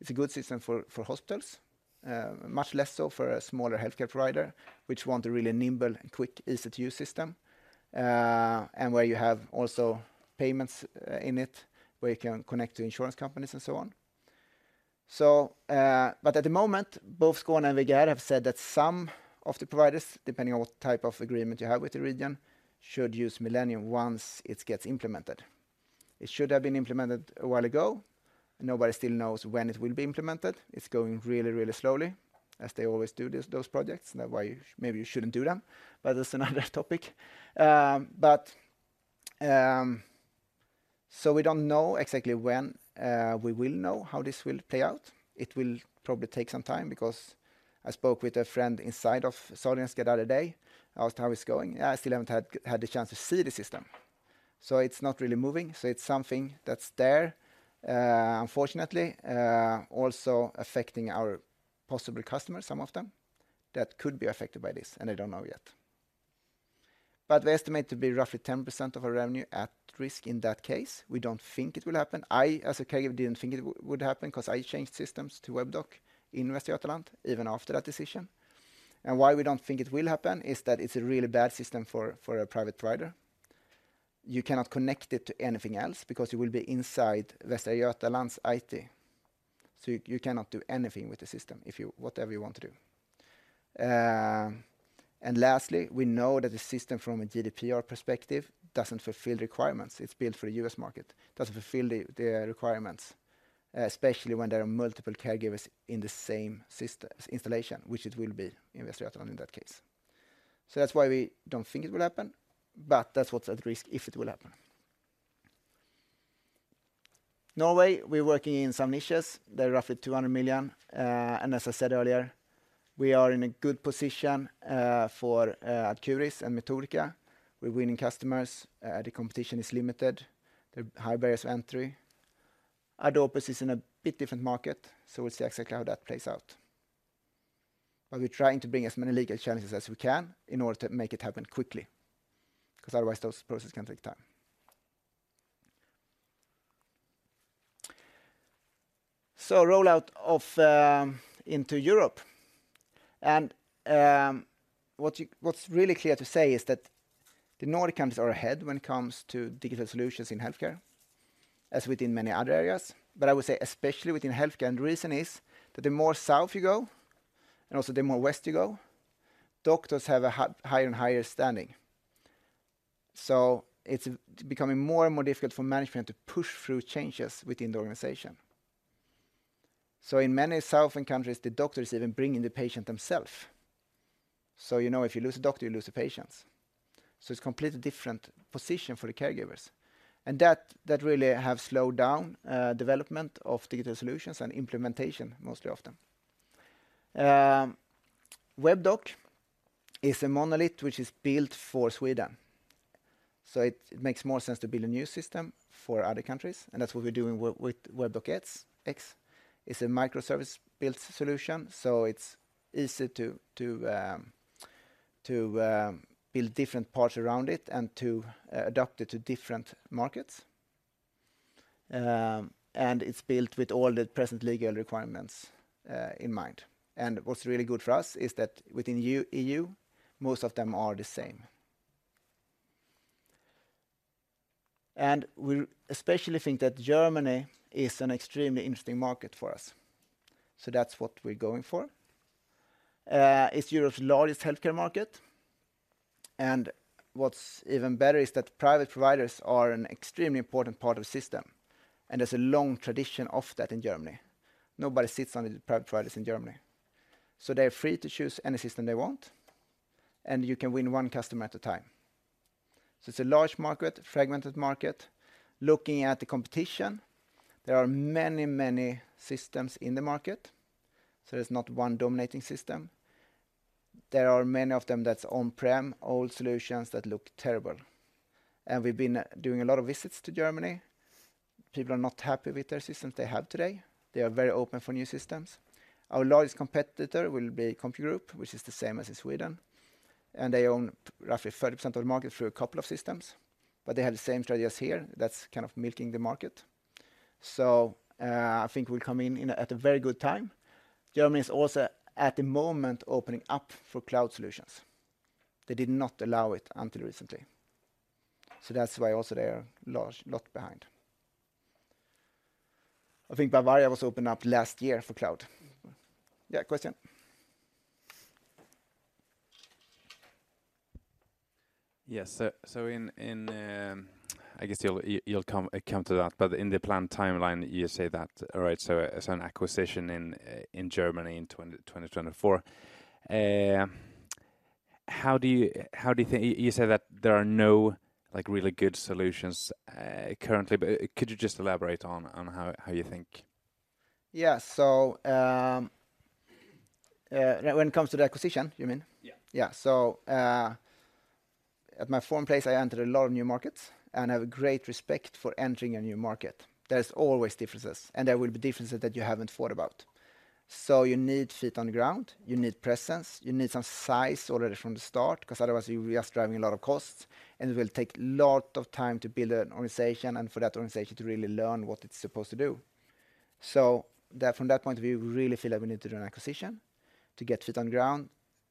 It's a good system for hospitals, much less so for a smaller healthcare provider, which wants a really nimble and quick, easy-to-use system, and where you have also payments in it, where you can connect to insurance companies and so on. So, but at the moment, both Skåne and VGR have said that some of the providers, depending on what type of agreement you have with the region, should use Millennium once it gets implemented. It should have been implemented a while ago. Nobody still knows when it will be implemented. It's going really, really slowly, as they always do with those projects. And that's why you maybe shouldn't do them, but that's another topic. But so we don't know exactly when, we will know how this will play out. It will probably take some time because I spoke with a friend inside of Sahlgrenska the other day. I asked how it's going. "I still haven't had the chance to see the system." So it's not really moving, so it's something that's there, unfortunately, also affecting our possible customers, some of them, that could be affected by this, and they don't know yet. But we estimate to be roughly 10% of our revenue at risk in that case. We don't think it will happen. I, as a caregiver, didn't think it would happen 'cause I changed systems to Webdoc in Västra Götaland, even after that decision. And why we don't think it will happen is that it's a really bad system for a private provider. You cannot connect it to anything else because you will be inside Västra Götaland's IT. So you cannot do anything with the system if you whatever you want to do. And lastly, we know that the system, from a GDPR perspective, doesn't fulfill requirements. It's built for a U.S. market. It doesn't fulfill the requirements, especially when there are multiple caregivers in the same system installation, which it will be in Västra Götaland in that case. So that's why we don't think it will happen, but that's what's at risk if it will happen. Norway, we're working in some niches. They're roughly 200 million. And as I said earlier, we are in a good position for AdCuris and Metodika. We're winning customers. The competition is limited. There are high barriers to entry. Other places in a bit different market, so we'll see exactly how that plays out. But we're trying to bring as many legal challenges as we can in order to make it happen quickly, 'cause otherwise those processes can take time. So rollout into Europe. And what you-- what's really clear to say is that the Nordics are ahead when it comes to digital solutions in healthcare, as within many other areas. But I would say especially within healthcare, and the reason is that the more south you go, and also the more west you go, doctors have a higher and higher standing. So it's becoming more and more difficult for management to push through changes within the organization. So in many southern countries, the doctors even bring in the patient themselves. So, you know, if you lose a doctor, you lose the patients. So it's completely different position for the caregivers, and that, that really have slowed down development of digital solutions and implementation, mostly often. Webdoc is a monolith which is built for Sweden, so it makes more sense to build a new system for other countries, and that's what we're doing with Webdoc X. It's a microservice-built solution, so it's easy to build different parts around it and to adapt it to different markets. And it's built with all the present legal requirements in mind. What's really good for us is that within the EU, most of them are the same. We especially think that Germany is an extremely interesting market for us, so that's what we're going for. It's Europe's largest healthcare market, and what's even better is that private providers are an extremely important part of the system, and there's a long tradition of that in Germany. Nobody sits on the private providers in Germany, so they're free to choose any system they want, and you can win one customer at a time. It's a large market, fragmented market. Looking at the competition, there are many, many systems in the market, so there's not one dominating system. There are many of them that's on-prem, old solutions that look terrible. We've been doing a lot of visits to Germany. People are not happy with their systems they have today. They are very open for new systems. Our largest competitor will be CompuGroup Medical, which is the same as in Sweden, and they own roughly 30% of the market through a couple of systems. But they have the same strategy as here, that's kind of milking the market. So, I think we'll come in, in a, at a very good time. Germany is also, at the moment, opening up for cloud solutions. They did not allow it until recently. So that's why also they are large, lot behind. I think Bavaria was opened up last year for cloud. Yeah, question? Yes. So in, I guess you'll come to that, but in the planned timeline, you say that... All right, so as an acquisition in Germany in 2024. How do you think-- You said that there are no, like, really good solutions currently, but could you just elaborate on how you think? Yeah. So, when it comes to the acquisition, you mean? Yeah. Yeah. So, at my former place, I entered a lot of new markets and have a great respect for entering a new market. There's always differences, and there will be differences that you haven't thought about. So you need feet on the ground, you need presence, you need some size already from the start, 'cause otherwise, you'll be just driving a lot of costs, and it will take a lot of time to build an organization and for that organization to really learn what it's supposed to do. So from that point of view, we really feel that we need to do an acquisition to get feet on the ground,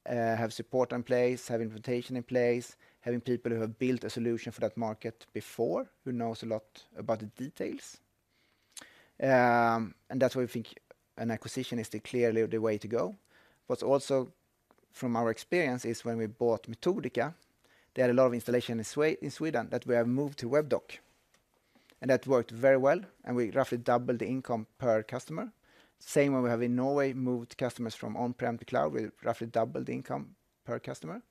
have support in place, have implementation in place, having people who have built a solution for that market before, who knows a lot about the details. And that's why we think an acquisition is clearly the way to go. What's also from our experience is when we bought Metodika, they had a lot of installation in Sweden that we have moved to Webdoc, and that worked very well, and we roughly doubled the income per customer. Same way we have in Norway, moved customers from on-prem to cloud. We roughly doubled the income per customer.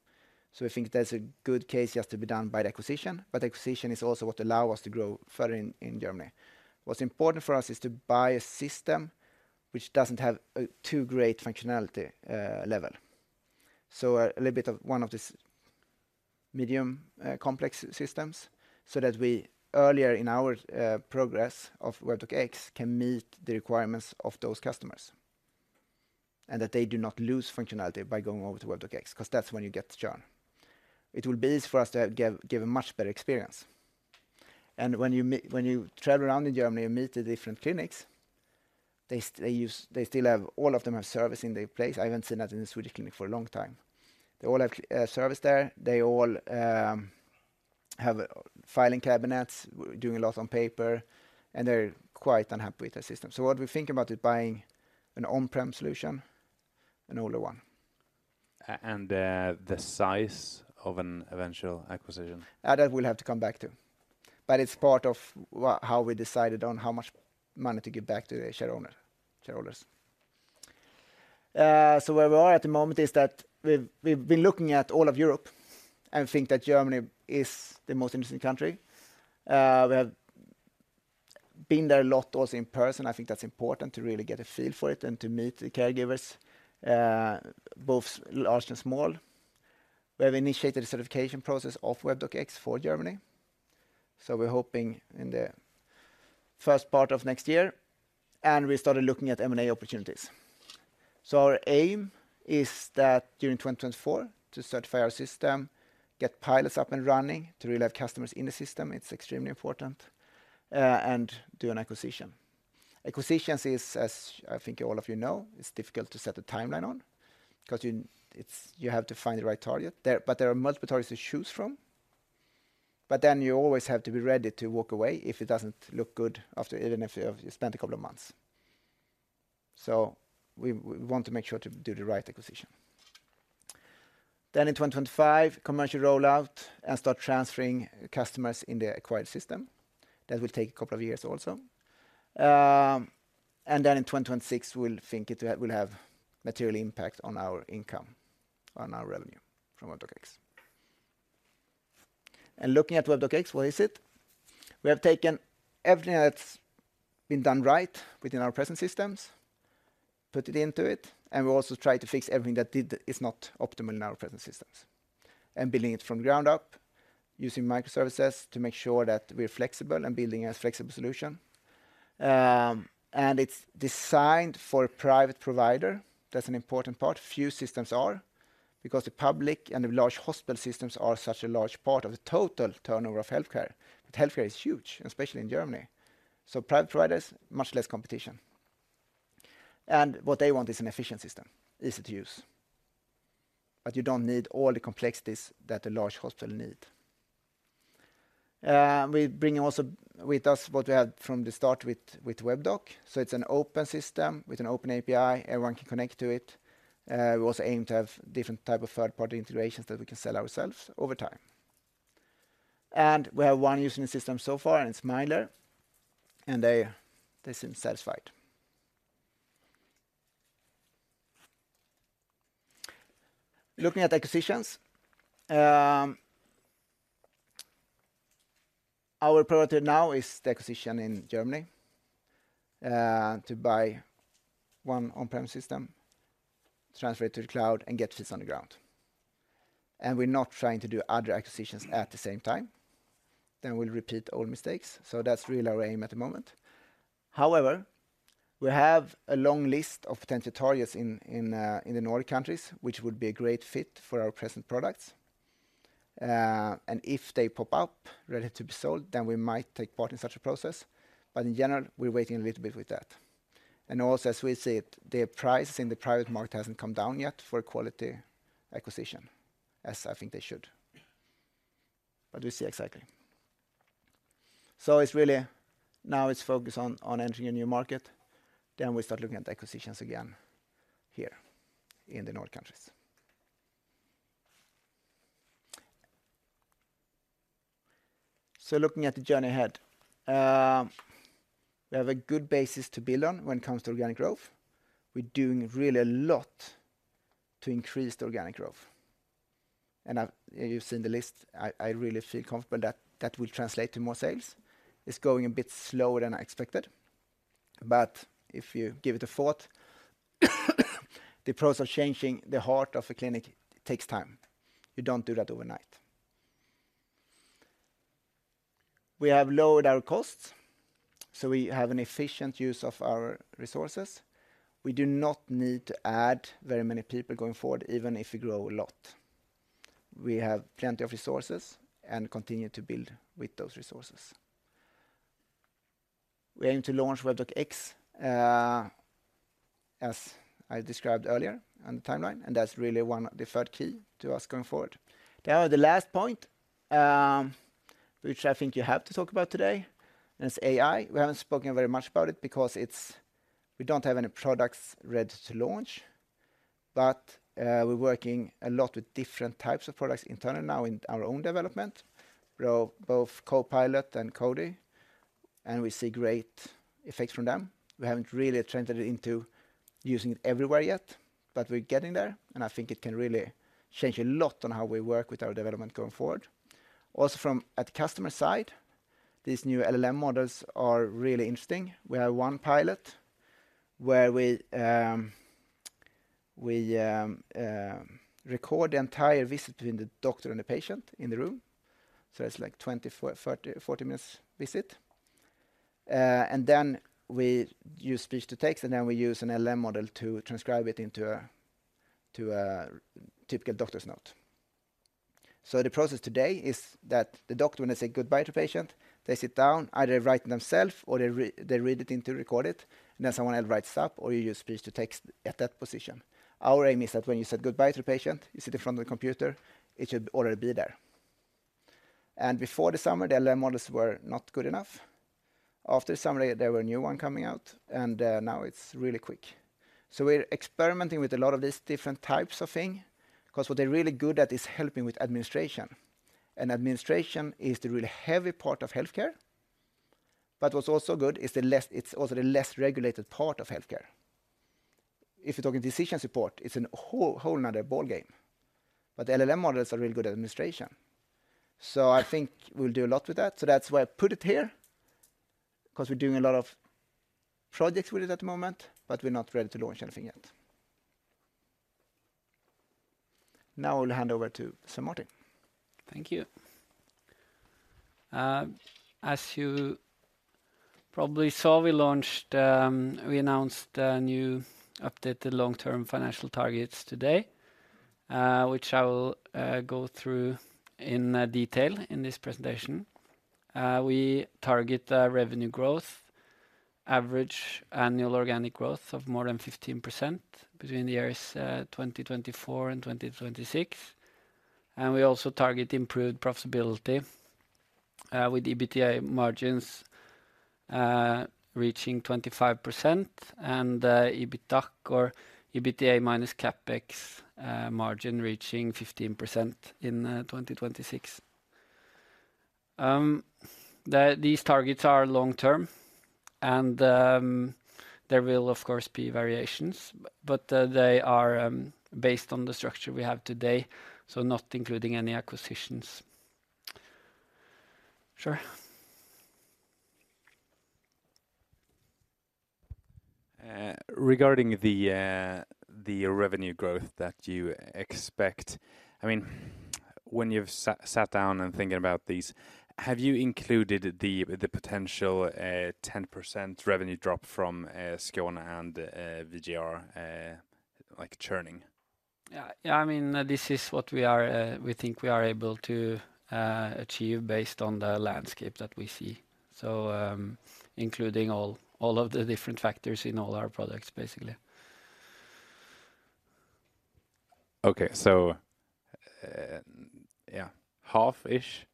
So we think there's a good case just to be done by the acquisition, but acquisition is also what allow us to grow further in Germany. What's important for us is to buy a system which doesn't have a too great functionality level. So a little bit of one of these medium complex systems, so that we earlier in our progress of Webdoc X can meet the requirements of those customers, and that they do not lose functionality by going over to Webdoc X, 'cause that's when you get churn. It will be easy for us to give a much better experience. And when you travel around in Germany and meet the different clinics, they still have service in the place. I haven't seen that in a Swedish clinic for a long time. They all have service there. They all have filing cabinets, doing a lot on paper, and they're quite unhappy with the system. So what we think about is buying an on-prem solution, an older one. And the size of an eventual acquisition? That we'll have to come back to, but it's part of how we decided on how much money to give back to the shareholder, shareholders. So where we are at the moment is that we've been looking at all of Europe and think that Germany is the most interesting country. We have been there a lot, also in person. I think that's important to really get a feel for it and to meet the caregivers, both large and small. We have initiated the certification process of Webdoc X for Germany. So we're hoping in the first part of next year, and we started looking at M&A opportunities. So our aim is that during 2024, to certify our system, get pilots up and running to really have customers in the system, it's extremely important, and do an acquisition. Acquisitions is, as I think all of you know, it's difficult to set a timeline on 'cause you—it's—you have to find the right target. But there are multiple targets to choose from, but then you always have to be ready to walk away if it doesn't look good after, even if you have spent a couple of months. So we want to make sure to do the right acquisition. Then in 2025, commercial rollout and start transferring customers in the acquired system. That will take a couple of years also. And then in 2026, we'll think it will have material impact on our income, on our revenue from Webdoc X. And looking at Webdoc X, what is it? We have taken everything that's been done right within our present systems, put it into it, and we also tried to fix everything that did, is not optimal in our present systems. And building it from ground up, using microservices to make sure that we're flexible and building a flexible solution. And it's designed for a private provider, that's an important part. Few systems are, because the public and the large hospital systems are such a large part of the total turnover of healthcare. But healthcare is huge, especially in Germany. So private providers, much less competition. And what they want is an efficient system, easy to use. But you don't need all the complexities that a large hospital need. We bring also with us what we had from the start with Webdoc. So it's an open system with an open API, everyone can connect to it. We also aim to have different type of third-party integrations that we can sell ourselves over time. We have one user in the system so far, and it's Millennium, and they seem satisfied. Looking at acquisitions, our priority now is the acquisition in Germany, to buy one on-prem system, transfer it to the cloud, and get this on the ground. We're not trying to do other acquisitions at the same time. Then we'll repeat old mistakes. So that's really our aim at the moment. However, we have a long list of potential targets in the Nordic countries, which would be a great fit for our present products. And if they pop up, ready to be sold, then we might take part in such a process. But in general, we're waiting a little bit with that. And also, as we see it, the price in the private market hasn't come down yet for quality acquisition, as I think they should. But we'll see exactly. So it's really now focused on entering a new market, then we start looking at acquisitions again here in the Nordics countries. So looking at the journey ahead, we have a good basis to build on when it comes to organic growth. We're doing really a lot to increase the organic growth, and I've—you've seen the list. I really feel confident that will translate to more sales. It's going a bit slower than I expected, but if you give it a thought, the processes are changing, the art of a clinic takes time. You don't do that overnight. We have lowered our costs, so we have an efficient use of our resources. We do not need to add very many people going forward, even if we grow a lot. We have plenty of resources and continue to build with those resources. We aim to launch Webdoc X, as I described earlier on the timeline, and that's really one of the third key to us going forward. Now, the last point, which I think you have to talk about today, is AI. We haven't spoken very much about it because it's, we don't have any products ready to launch, but, we're working a lot with different types of products internally now in our own development, both Copilot and Cody, and we see great effects from them. We haven't really turned it into using it everywhere yet, but we're getting there, and I think it can really change a lot on how we work with our development going forward. Also from the customer side, these new LLM models are really interesting. We have one pilot where we record the entire visit between the doctor and the patient in the room, so it's like 24, 30, 40 minutes visit. And then we use speech-to-text, and then we use an LLM model to transcribe it into a typical doctor's note. So the process today is that the doctor, when they say goodbye to patient, they sit down, either write it themself, or they read it into record it, and then someone else writes up or you use speech-to-text at that position. Our aim is that when you said goodbye to the patient, you sit in front of the computer, it should already be there. Before the summer, the LLM models were not good enough. After summer, there were a new one coming out, and now it's really quick. So we're experimenting with a lot of these different types of thing, 'cause what they're really good at is helping with administration. And administration is the really heavy part of healthcare, but what's also good is it's also the less regulated part of healthcare. If you're talking decision support, it's a whole another ballgame, but the LLM models are really good at administration. So I think we'll do a lot with that. So that's why I put it here... 'cause we're doing a lot of projects with it at the moment, but we're not ready to launch anything yet. Now I'll hand over to Svein Martin. Thank you. As you probably saw, we launched, we announced a new updated long-term financial targets today, which I will go through in detail in this presentation. We target revenue growth, average annual organic growth of more than 15% between the years 2024 and 2026, and we also target improved profitability, with EBITDA margins reaching 25% and EBITDAC or EBITDA minus CapEx margin reaching 15% in 2026. These targets are long-term and there will, of course, be variations, but they are based on the structure we have today, so not including any acquisitions. Sure. Regarding the revenue growth that you expect, I mean, when you've sat down and thinking about these, have you included the potential 10% revenue drop from Skåne and VGR, like, churning? Yeah. Yeah, I mean, this is what we are, we think we are able to achieve based on the landscape that we see. So, including all, all of the different factors in all our products, basically. Okay. So, yeah, half-ish?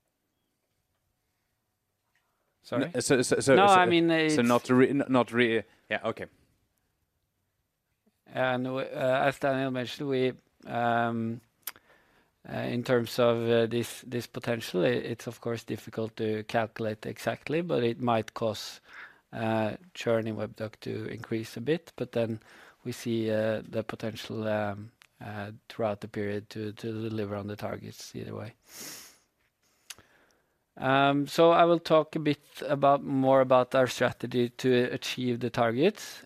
Sorry, so- No, I mean, Yeah. Okay. As Daniel mentioned, we in terms of this potential, it's of course difficult to calculate exactly, but it might cause churn in Webdoc to increase a bit. Then we see the potential throughout the period to deliver on the targets either way. I will talk a bit about more about our strategy to achieve the targets.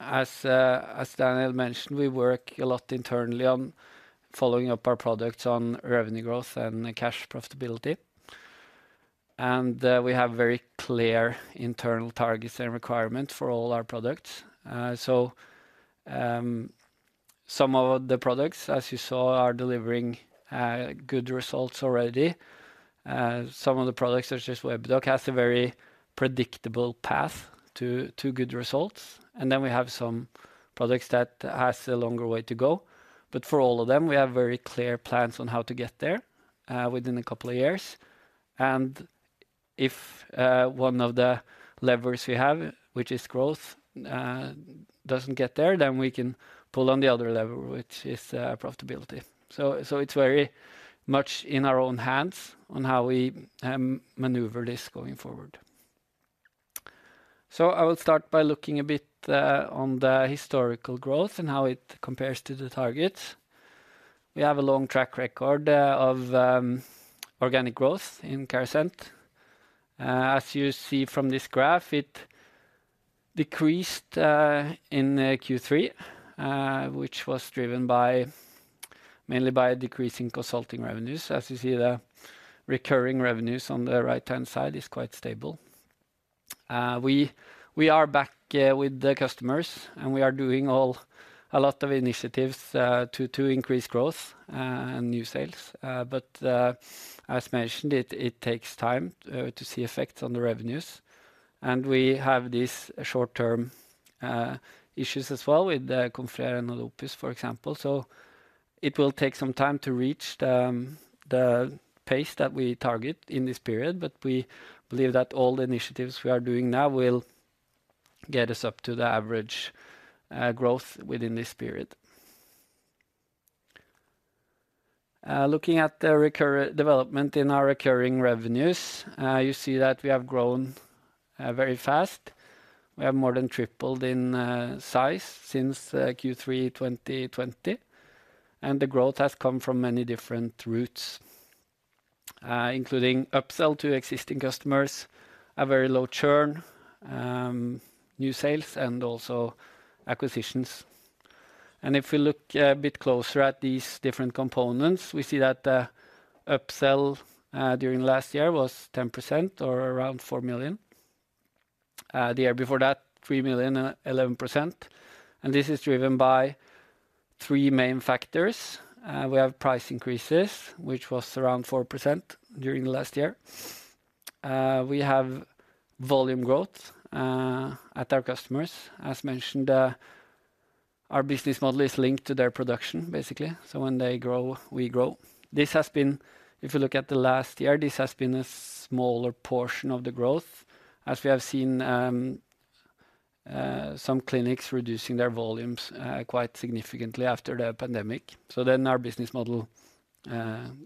As Daniel mentioned, we work a lot internally on following up our products on revenue growth and cash profitability. We have very clear internal targets and requirements for all our products. Some of the products, as you saw, are delivering good results already. Some of the products, such as Webdoc, has a very predictable path to good results. And then we have some products that has a longer way to go. But for all of them, we have very clear plans on how to get there, within a couple of years. And if, one of the levers we have, which is growth, doesn't get there, then we can pull on the other lever, which is, profitability. So, so it's very much in our own hands on how we, maneuver this going forward. So I will start by looking a bit, on the historical growth and how it compares to the targets. We have a long track record, of, organic growth in Carasent. As you see from this graph, it decreased, in, Q3, which was driven by, mainly by a decrease in consulting revenues. As you see, the recurring revenues on the right-hand side is quite stable. We are back with the customers, and we are doing a lot of initiatives to increase growth and new sales. But as mentioned, it takes time to see effects on the revenues, and we have these short-term issues as well with the Confrere and the AdOpus, for example. So it will take some time to reach the pace that we target in this period, but we believe that all the initiatives we are doing now will get us up to the average growth within this period. Looking at the development in our recurring revenues, you see that we have grown very fast. We have more than tripled in size since Q3 2020, and the growth has come from many different routes, including upsell to existing customers, a very low churn, new sales, and also acquisitions. If we look a bit closer at these different components, we see that the upsell during last year was 10% or around 4 million. The year before that, 3 million, 11%. And this is driven by three main factors. We have price increases, which was around 4% during the last year. We have volume growth at our customers. As mentioned, our business model is linked to their production, basically. So when they grow, we grow. This has been, if you look at the last year, this has been a smaller portion of the growth, as we have seen, some clinics reducing their volumes quite significantly after the pandemic. So then our business model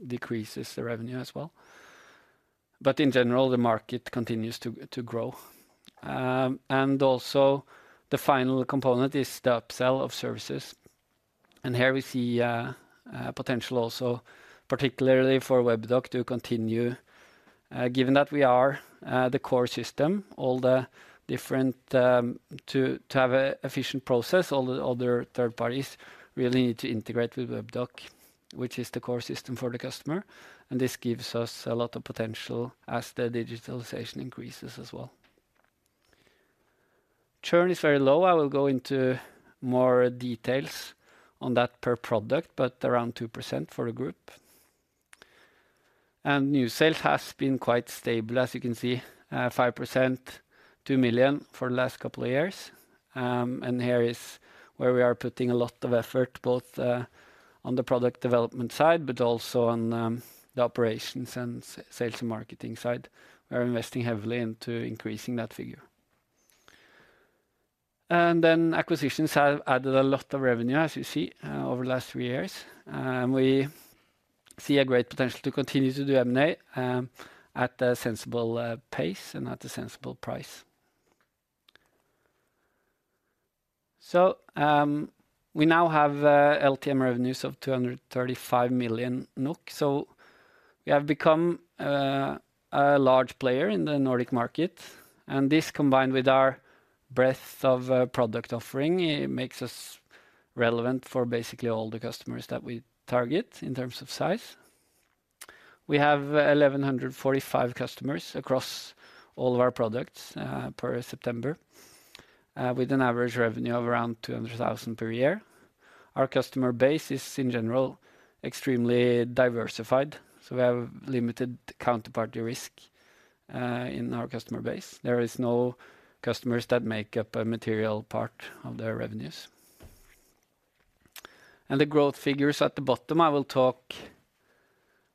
decreases the revenue as well. But in general, the market continues to grow. And also the final component is the upsell of services. And here we see potential also, particularly for Webdoc to continue. Given that we are the core system, all the different to have a efficient process, all the other third parties really need to integrate with Webdoc, which is the core system for the customer, and this gives us a lot of potential as the digitalization increases as well. Churn is very low. I will go into more details on that per product, but around 2% for the group. New sales has been quite stable, as you can see, 5%, 2 million NOK for the last couple of years. And here is where we are putting a lot of effort, both on the product development side, but also on the operations and sales and marketing side. We are investing heavily into increasing that figure. And then acquisitions have added a lot of revenue, as you see, over the last three years. We see a great potential to continue to do M&A at a sensible pace and at a sensible price. So, we now have LTM revenues of 235 million NOK. So we have become a large player in the Nordic market, and this, combined with our breadth of product offering, it makes us relevant for basically all the customers that we target in terms of size. We have 1,145 customers across all of our products per September with an average revenue of around 200,000 per year. Our customer base is, in general, extremely diversified, so we have limited counterparty risk in our customer base. There is no customers that make up a material part of their revenues. And the growth figures at the bottom, I will talk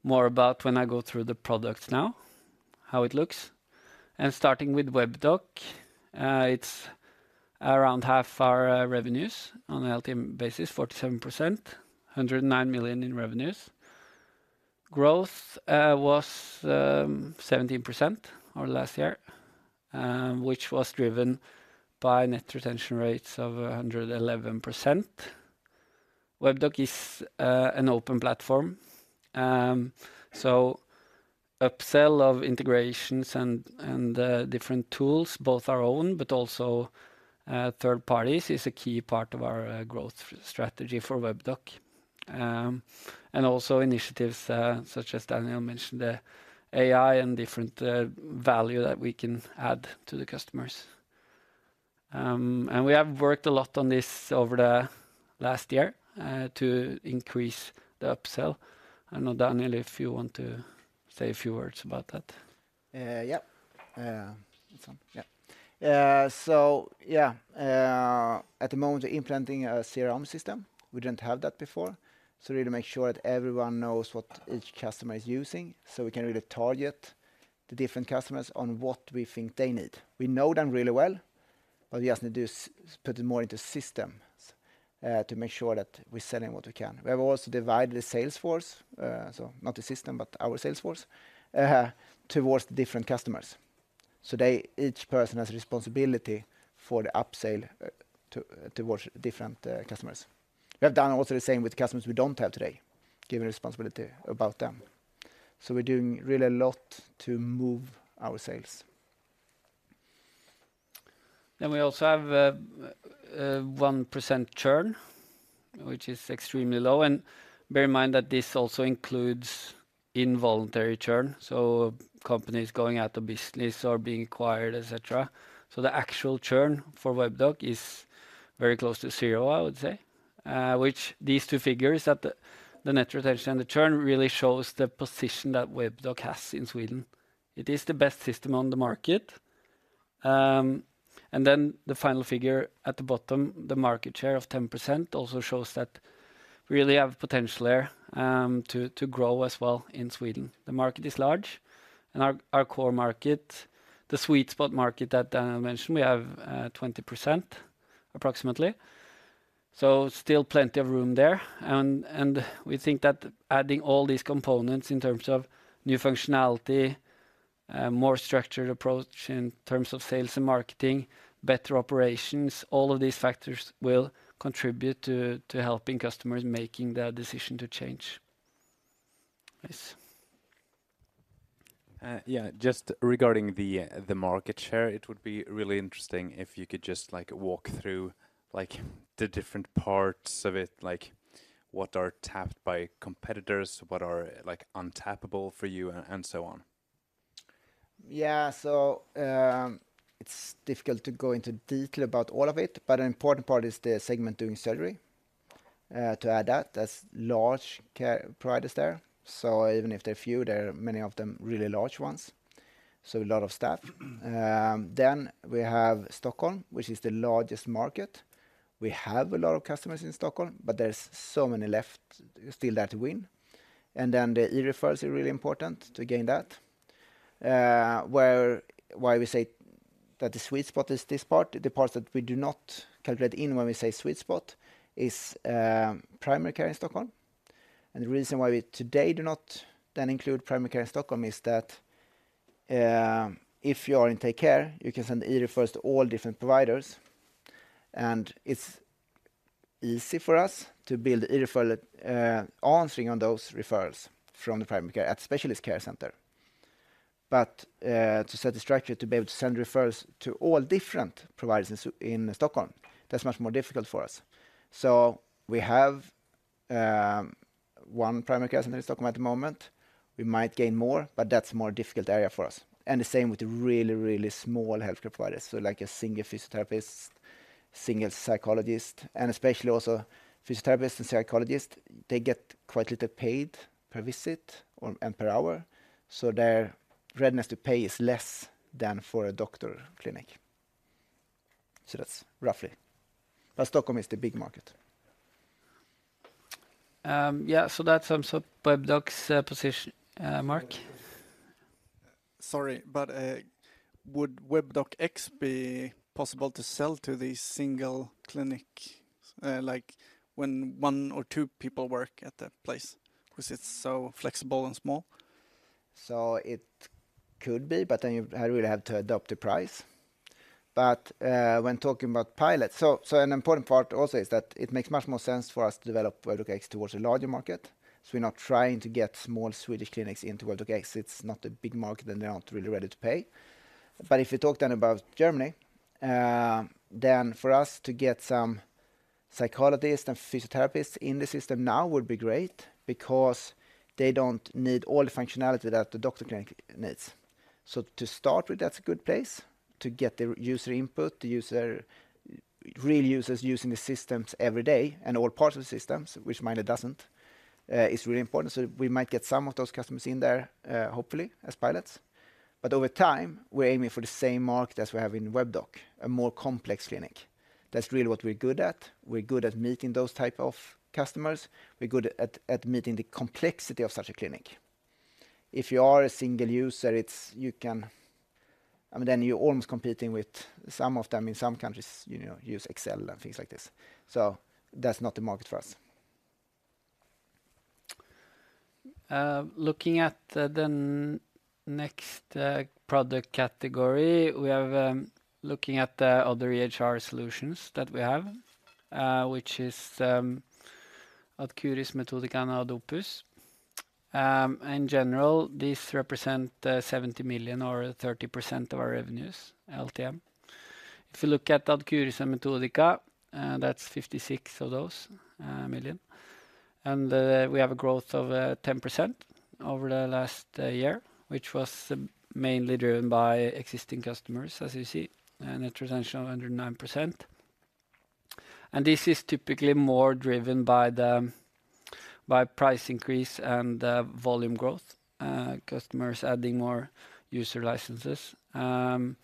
more about when I go through the products now, how it looks. And starting with Webdoc, it's around half our revenues on a LTM basis, 47%, 109 million in revenues. Growth was 17% over last year, which was driven by net retention rates of 111%. Webdoc is an open platform, so upsell of integrations and different tools, both our own, but also third parties, is a key part of our growth strategy for Webdoc. And also initiatives such as Daniel mentioned, the AI and different value that we can add to the customers. And we have worked a lot on this over the last year to increase the upsell. I don't know, Daniel, if you want to say a few words about that. Yeah. That's sound. Yeah. So yeah, at the moment, we're implementing a CRM system. We didn't have that before, so really make sure that everyone knows what each customer is using, so we can really target the different customers on what we think they need. We know them really well, but we just need to put it more into systems, to make sure that we're selling what we can. We have also divided the sales force, so not the system, but our sales force, towards the different customers. So they each person has a responsibility for the upsell, towards different customers. We have done also the same with customers we don't have today, given responsibility about them. So we're doing really a lot to move our sales. Then we also have a 1% churn, which is extremely low. And bear in mind that this also includes involuntary churn, so companies going out of business or being acquired, et cetera. So the actual churn for Webdoc is very close to zero, I would say. Which these two figures, that the net retention and the churn, really shows the position that Webdoc has in Sweden. It is the best system on the market. And then the final figure at the bottom, the market share of 10%, also shows that we really have potential there, to, to grow as well in Sweden. The market is large, and our, our core market, the sweet spot market that Daniel mentioned, we have, twenty percent, approximately. So still plenty of room there. And we think that adding all these components in terms of new functionality, more structured approach in terms of sales and marketing, better operations, all of these factors will contribute to helping customers making their decision to change. Yes. Yeah, just regarding the market share, it would be really interesting if you could just, like, walk through, like, the different parts of it. Like, what are tapped by competitors, what are, like, untapped for you, and so on. Yeah. So, it's difficult to go into detail about all of it, but an important part is the segment doing surgery. To add that, there's large care providers there. So even if they're few, there are many of them, really large ones, so a lot of staff. Then we have Stockholm, which is the largest market. We have a lot of customers in Stockholm, but there's so many left still there to win. And then the e-Referrals are really important to gain that. Why we say that the sweet spot is this part, the parts that we do not calculate in when we say sweet spot is primary care in Stockholm.... The reason why we today do not then include primary care in Stockholm is that if you are in TakeCare, you can send e-referrals to all different providers, and it's easy for us to build e-referral answering on those referrals from the primary care at specialist care center. But to set the structure to be able to send referrals to all different providers in Stockholm, that's much more difficult for us. So we have one primary care center in Stockholm at the moment. We might gain more, but that's a more difficult area for us, and the same with the really, really small healthcare providers, so like a single physiotherapist, single psychologist, and especially also physiotherapist and psychologist, they get quite little paid per visit or and per hour, so their readiness to pay is less than for a doctor clinic. That's roughly, but Stockholm is the big market. Yeah, so that sums up Webdoc's position. Mark? Sorry, but would Webdoc X be possible to sell to the single clinic, like when one or two people work at the place? Because it's so flexible and small. So it could be, but then you really have to adapt the price. But, when talking about pilots... So, an important part also is that it makes much more sense for us to develop Webdoc X towards a larger market. So we're not trying to get small Swedish clinics into Webdoc X. It's not a big market, and they're not really ready to pay. But if you talk then about Germany, then for us to get some psychologists and physiotherapists in the system now would be great because they don't need all the functionality that the doctor clinic needs. So to start with, that's a good place to get the user input, the user, real users using the systems every day and all parts of the systems, which minor doesn't, is really important. So we might get some of those customers in there, hopefully, as pilots. But over time, we're aiming for the same market as we have in Webdoc, a more complex clinic. That's really what we're good at. We're good at meeting those type of customers. We're good at meeting the complexity of such a clinic. If you are a single user, it's I mean, then you're almost competing with some of them. In some countries, you know, use Excel and things like this, so that's not the market for us. Looking at the then next product category, we have, looking at the other EHR solutions that we have, which is AdCuris, Metodika, and AdOpus. In general, these represent 70 million or 30% of our revenues LTM. If you look at AdCuris and Metodika, that's 56 of those million. And we have a growth of 10% over the last year, which was mainly driven by existing customers, as you see, and a transaction of under 9%. And this is typically more driven by the, by price increase and volume growth, customers adding more user licenses, rather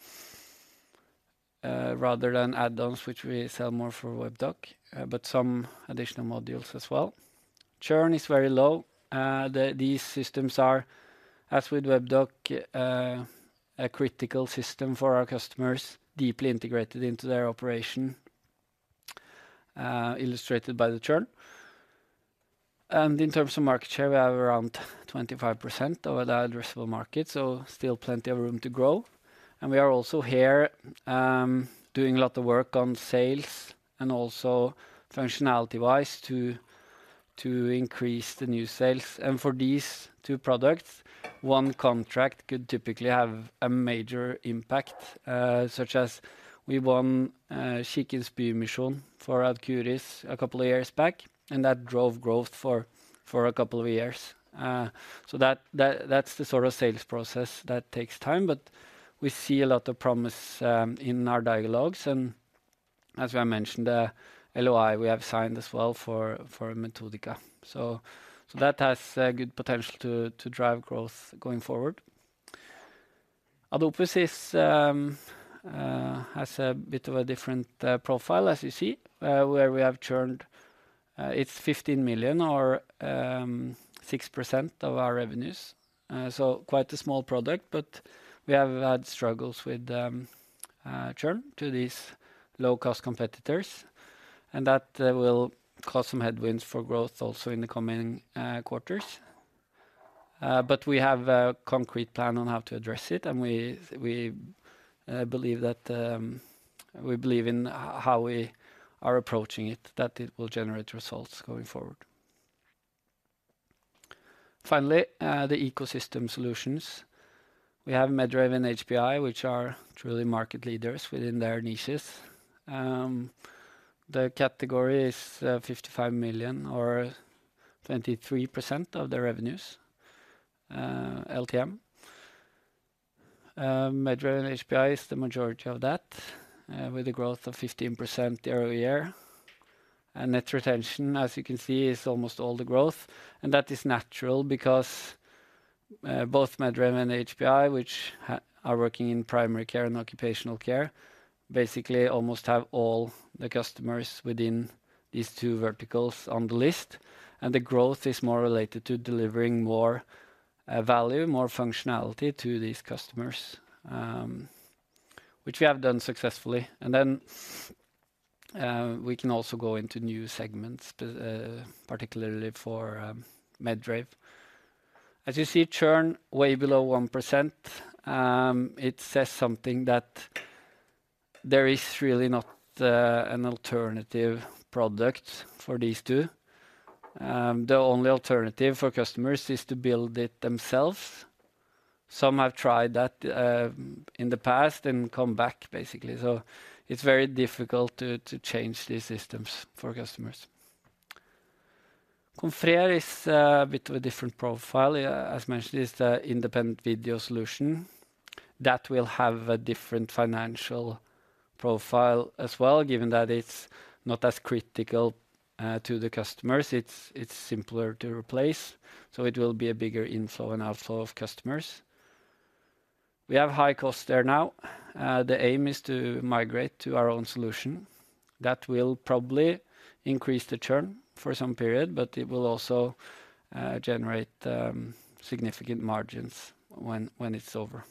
than add-ons, which we sell more for Webdoc, but some additional modules as well. Churn is very low. These systems are, as with Webdoc, a critical system for our customers, deeply integrated into their operation, illustrated by the churn. And in terms of market share, we have around 25% of the addressable market, so still plenty of room to grow. And we are also here, doing a lot of work on sales and also functionality-wise, to increase the new sales. And for these two products, one contract could typically have a major impact, such as we won, Kirkens Bymisjon for AdCuris a couple of years back, and that drove growth for a couple of years. So that's the sort of sales process that takes time, but we see a lot of promise in our dialogues, and as I mentioned, the LOI we have signed as well for Metodika. So that has a good potential to drive growth going forward. AdOpus has a bit of a different profile, as you see, where we have churned, it's 15 million or 6% of our revenues. So quite a small product, but we have had struggles with churn to these low-cost competitors, and that will cause some headwinds for growth also in the coming quarters. But we have a concrete plan on how to address it, and we believe that we believe in how we are approaching it, that it will generate results going forward. Finally, the ecosystem solutions. We have Medrave HPI, which are truly market leaders within their niches. The category is 55 million or 23% of the revenues, LTM. Medrave HPI is the majority of that, with a growth of 15% year-over-year. Net retention, as you can see, is almost all the growth, and that is natural because both Medrave and HPI, which are working in primary care and occupational care, basically almost have all the customers within these two verticals on the list, and the growth is more related to delivering more value, more functionality to these customers, which we have done successfully. We can also go into new segments, but particularly for Medrave. As you see, churn way below 1%, it says something that there is really not an alternative product for these two. The only alternative for customers is to build it themselves. Some have tried that in the past and come back, basically. It's very difficult to change these systems for customers. Confrere is a bit of a different profile. As mentioned, it's the independent video solution that will have a different financial profile as well, given that it's not as critical to the customers. It's simpler to replace, so it will be a bigger inflow and outflow of customers. We have high costs there now. The aim is to migrate to our own solution. That will probably increase the churn for some period, but it will also generate significant margins when it's over.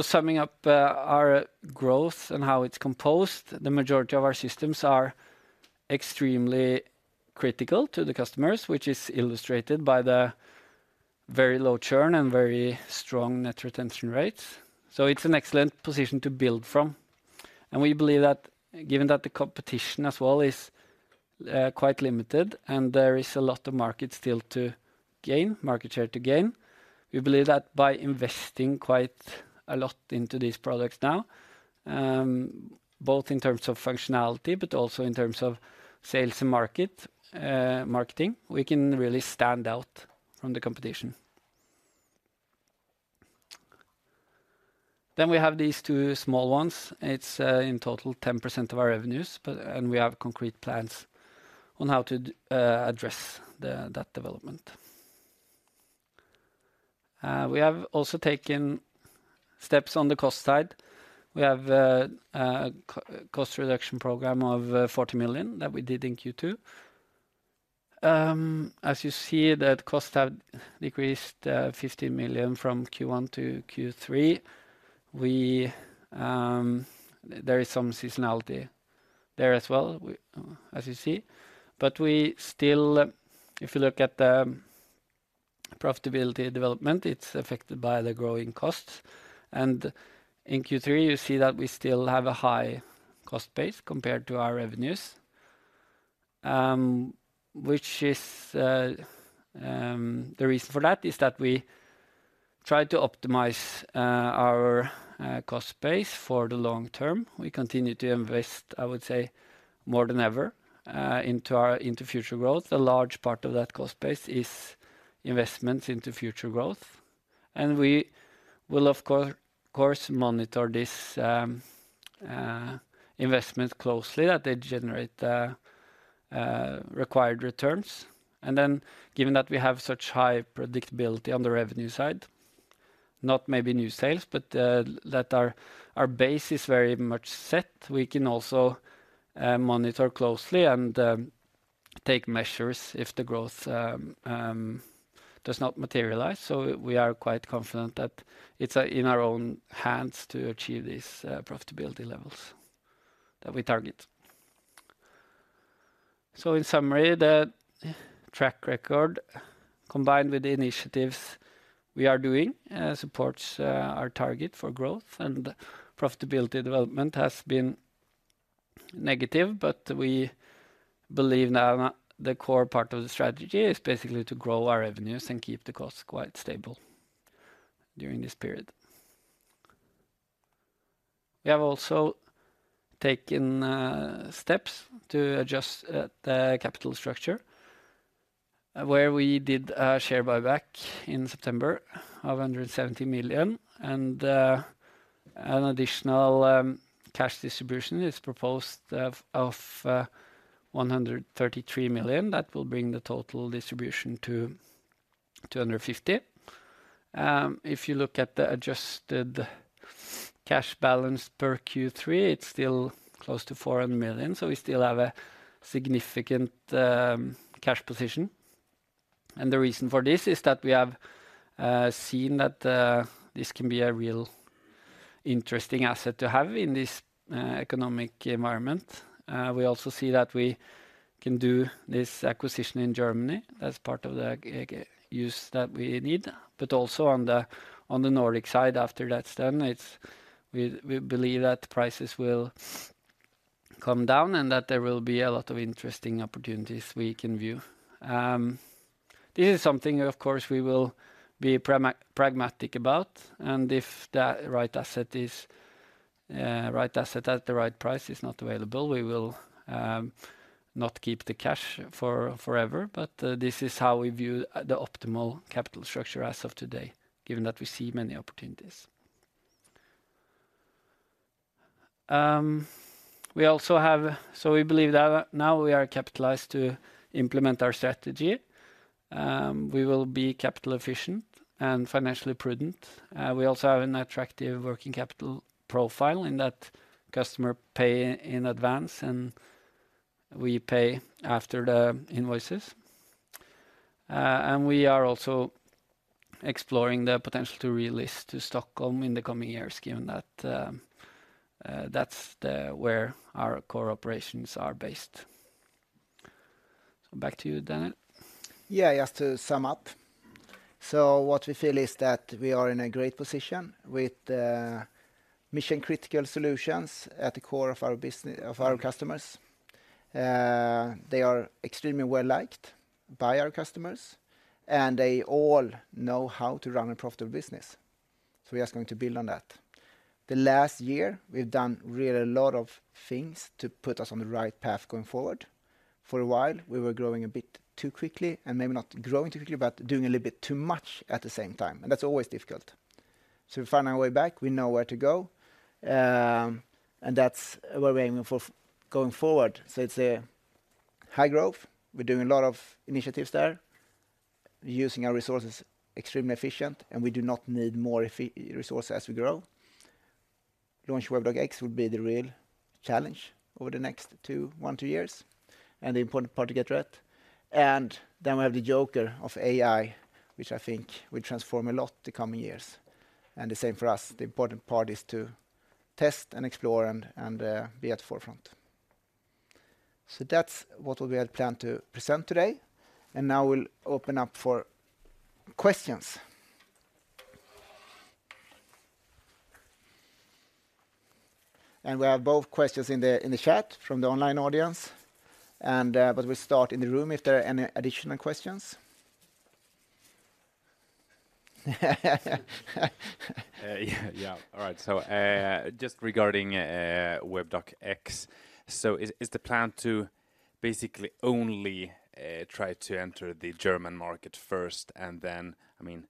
Summing up, our growth and how it's composed, the majority of our systems are extremely critical to the customers, which is illustrated by the very low churn and very strong net retention rates. So it's an excellent position to build from, and we believe that given that the competition as well is quite limited and there is a lot of market still to gain, market share to gain, we believe that by investing quite a lot into these products now, both in terms of functionality, but also in terms of sales and market, marketing, we can really stand out from the competition. Then we have these two small ones. It's in total 10% of our revenues, but and we have concrete plans on how to address that development. We have also taken steps on the cost side. We have a cost reduction program of 40 million that we did in Q2. As you see, costs have decreased 50 million from Q1 to Q3. We... There is some seasonality there as well, we, as you see, but we still, if you look at the profitability development, it's affected by the growing costs. And in Q3, you see that we still have a high cost base compared to our revenues, which is the reason for that is that we try to optimize our cost base for the long term. We continue to invest, I would say, more than ever, into future growth. A large part of that cost base is investments into future growth, and we will, of course, monitor this investment closely, that they generate the required returns. Then given that we have such high predictability on the revenue side, not maybe new sales, but that our base is very much set, we can also monitor closely and take measures if the growth does not materialize. So we are quite confident that it's in our own hands to achieve these profitability levels that we target. So in summary, the track record, combined with the initiatives we are doing, supports our target for growth and profitability. Development has been negative, but we believe now the core part of the strategy is basically to grow our revenues and keep the costs quite stable during this period. We have also taken steps to adjust the capital structure, where we did a share buyback in September of 170 million, and an additional cash distribution is proposed of 133 million. That will bring the total distribution to 250 million. If you look at the adjusted cash balance per Q3, it's still close to 400 million, so we still have a significant cash position. The reason for this is that we have seen that this can be a real interesting asset to have in this economic environment. We also see that we can do this acquisition in Germany. That's part of the use that we need, but also on the Nordic side, after that's done, we believe that prices will come down and that there will be a lot of interesting opportunities we can view. This is something, of course, we will be pragmatic about, and if the right asset at the right price is not available, we will not keep the cash forever, but this is how we view the optimal capital structure as of today, given that we see many opportunities. So we believe that now we are capitalized to implement our strategy. We will be capital efficient and financially prudent. We also have an attractive working capital profile in that customer pay in advance, and we pay after the invoices. We are also exploring the potential to relist to Stockholm in the coming years, given that that's where our core operations are based. Back to you, Daniel. Yeah, just to sum up. So what we feel is that we are in a great position with mission-critical solutions at the core of our business of our customers. They are extremely well-liked by our customers, and they all know how to run a profitable business, so we're just going to build on that. The last year, we've done really a lot of things to put us on the right path going forward. For a while, we were growing a bit too quickly, and maybe not growing too quickly, but doing a little bit too much at the same time, and that's always difficult. So we found our way back. We know where to go, and that's where we're aiming for going forward. So it's a high growth. We're doing a lot of initiatives there, using our resources extremely efficient, and we do not need more resources as we grow. Launch Webdoc X will be the real challenge over the next 1-2 years, and the important part to get right. And then we have the joker of AI, which I think will transform a lot the coming years. And the same for us, the important part is to test and explore and be at the forefront. So that's what we had planned to present today, and now we'll open up for questions. And we have both questions in the chat from the online audience, but we start in the room if there are any additional questions. Yeah, yeah. All right, so just regarding Webdoc X, so is the plan to basically only try to enter the German market first, and then, I mean,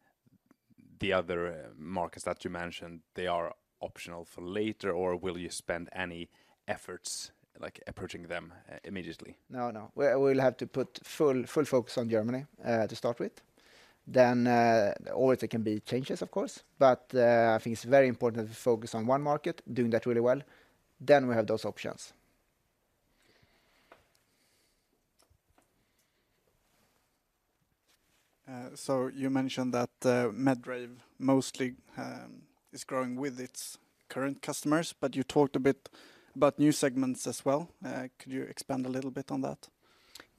the other markets that you mentioned, they are optional for later, or will you spend any efforts, like approaching them immediately? No, no. We, we'll have to put full, full focus on Germany, to start with. Then, always there can be changes, of course, but, I think it's very important to focus on one market, doing that really well, then we have those options. So you mentioned that Medrave mostly is growing with its current customers, but you talked a bit about new segments as well. Could you expand a little bit on that?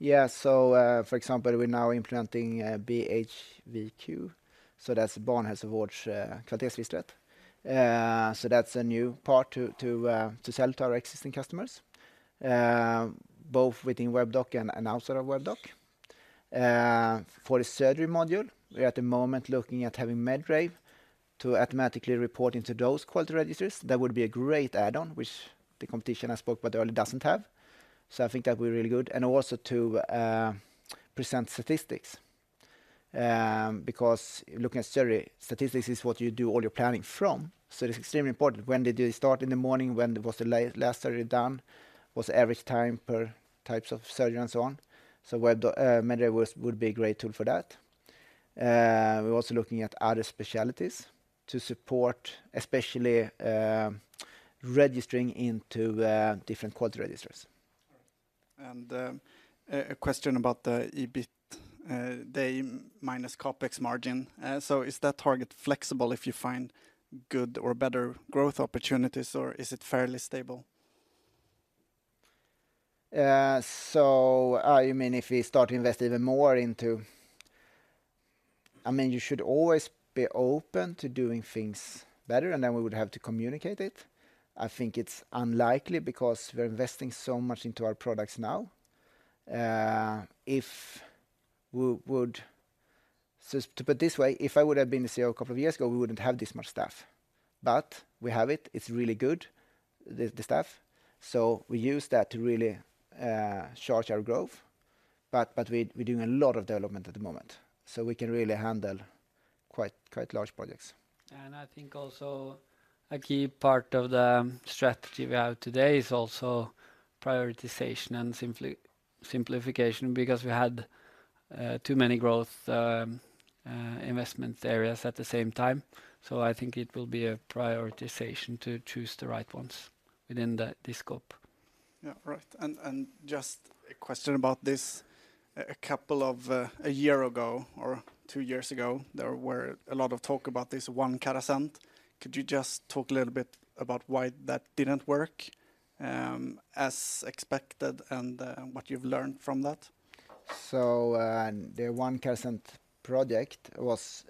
Yeah. So, for example, we're now implementing BHVQ, so that's Barnhälsovårdens kvalitetsregister. So that's a new part to sell to our existing customers, both within Webdoc and outside of Webdoc. For the surgery module, we're at the moment looking at having Medrave to automatically report into those quality registers. That would be a great add-on, which the competition I spoke about earlier doesn't have. So I think that'll be really good, and also to present statistics. Because looking at surgery statistics is what you do all your planning from, so it's extremely important. When did you start in the morning? When was the last surgery done? What's the average time per types of surgery, and so on. So Webdoc, Medrave would be a great tool for that. We're also looking at other specialties to support, especially registering into different quality registers. A question about the EBIT, the minus CapEx margin. So is that target flexible if you find good or better growth opportunities, or is it fairly stable? So, you mean if we start to invest even more into... I mean, you should always be open to doing things better, and then we would have to communicate it. I think it's unlikely because we're investing so much into our products now. So to put it this way, if I would have been the CEO a couple of years ago, we wouldn't have this much staff. But we have it, it's really good, the staff, so we use that to really charge our growth. But we, we're doing a lot of development at the moment, so we can really handle quite large projects. I think also a key part of the strategy we have today is also prioritization and simplification, because we had too many growth investment areas at the same time. I think it will be a prioritization to choose the right ones within the scope. Yeah, right. And, and just a question about this. A couple of a year ago or two years ago, there were a lot of talk about this One Carasent. Could you just talk a little bit about why that didn't work as expected and what you've learned from that? So, the Carasent project was,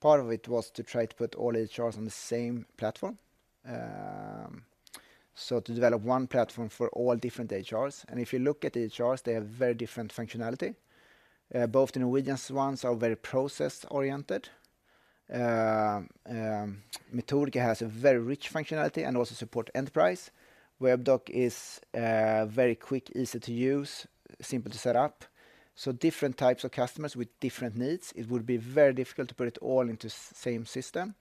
part of it was to try to put all EHRs on the same platform. So to develop one platform for all different EHRs. And if you look at EHRs, they have very different functionality. Both the Norwegian ones are very process-oriented. Metodika has a very rich functionality and also support enterprise. Webdoc is very quick, easy to use, simple to set up. So different types of customers with different needs, it would be very difficult to put it all into same system.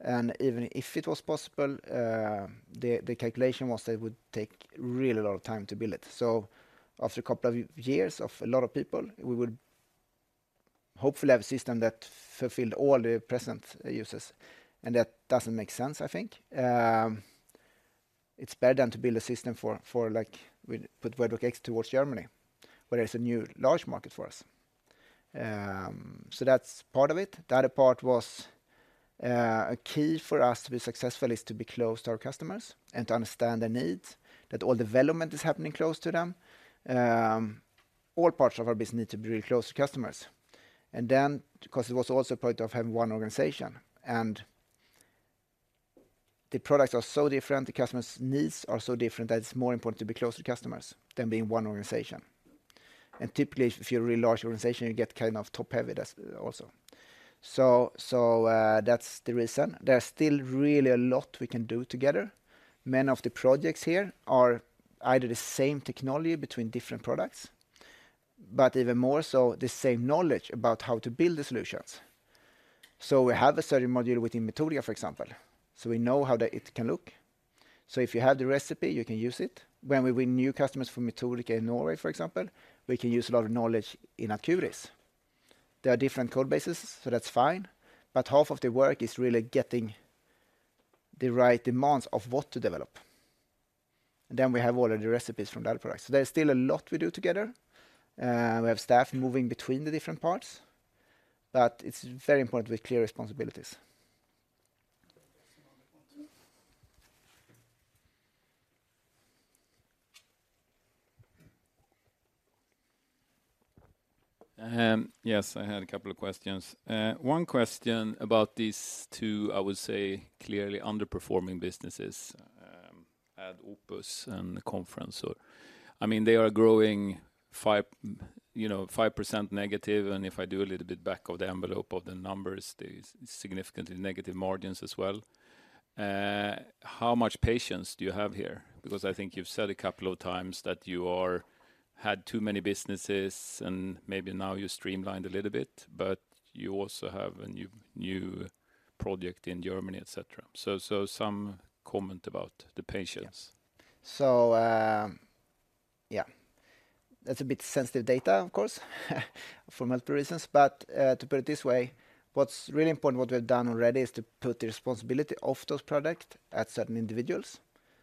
And even if it was possible, the calculation was that it would take really a lot of time to build it. So after a couple of years of a lot of people, we would hopefully have a system that fulfilled all the present users, and that doesn't make sense, I think. It's better to build a system to put Webdoc X towards Germany, where there's a new large market for us. So that's part of it. The other part was a key for us to be successful is to be close to our customers and to understand their needs, that all development is happening close to them. All parts of our business need to be really close to customers. And then, because it was also a point of having one organization, and the products are so different, the customers' needs are so different that it's more important to be close to customers than being one organization. And typically, if you're a really large organization, you get kind of top-heavy. That's also. That's the reason. There's still really a lot we can do together. Many of the projects here are either the same technology between different products, but even more so, the same knowledge about how to build the solutions. So we have a certain module within Metodika, for example, so we know how that it can look. So if you have the recipe, you can use it. When we win new customers from Metodika in Norway, for example, we can use a lot of knowledge in AdCuris. There are different code bases, so that's fine, but half of the work is really getting the right demands of what to develop. And then we have all of the recipes from the other products. So there's still a lot we do together. We have staff moving between the different parts, but it's very important with clear responsibilities. Yes, I had a couple of questions. One question about these two, I would say, clearly underperforming businesses, AdOpus and Confrere. So, I mean, they are growing -5%, and if I do a little bit back-of-the-envelope of the numbers, there's significantly negative margins as well. How much patience do you have here? Because I think you've said a couple of times that you had too many businesses, and maybe now you streamlined a little bit, but you also have a new, new project in Germany, et cetera. So, some comment about the patience. So, yeah, that's a bit sensitive data, of course, for multiple reasons. But, to put it this way, what's really important, what we've done already, is to put the responsibility of those product at certain individuals.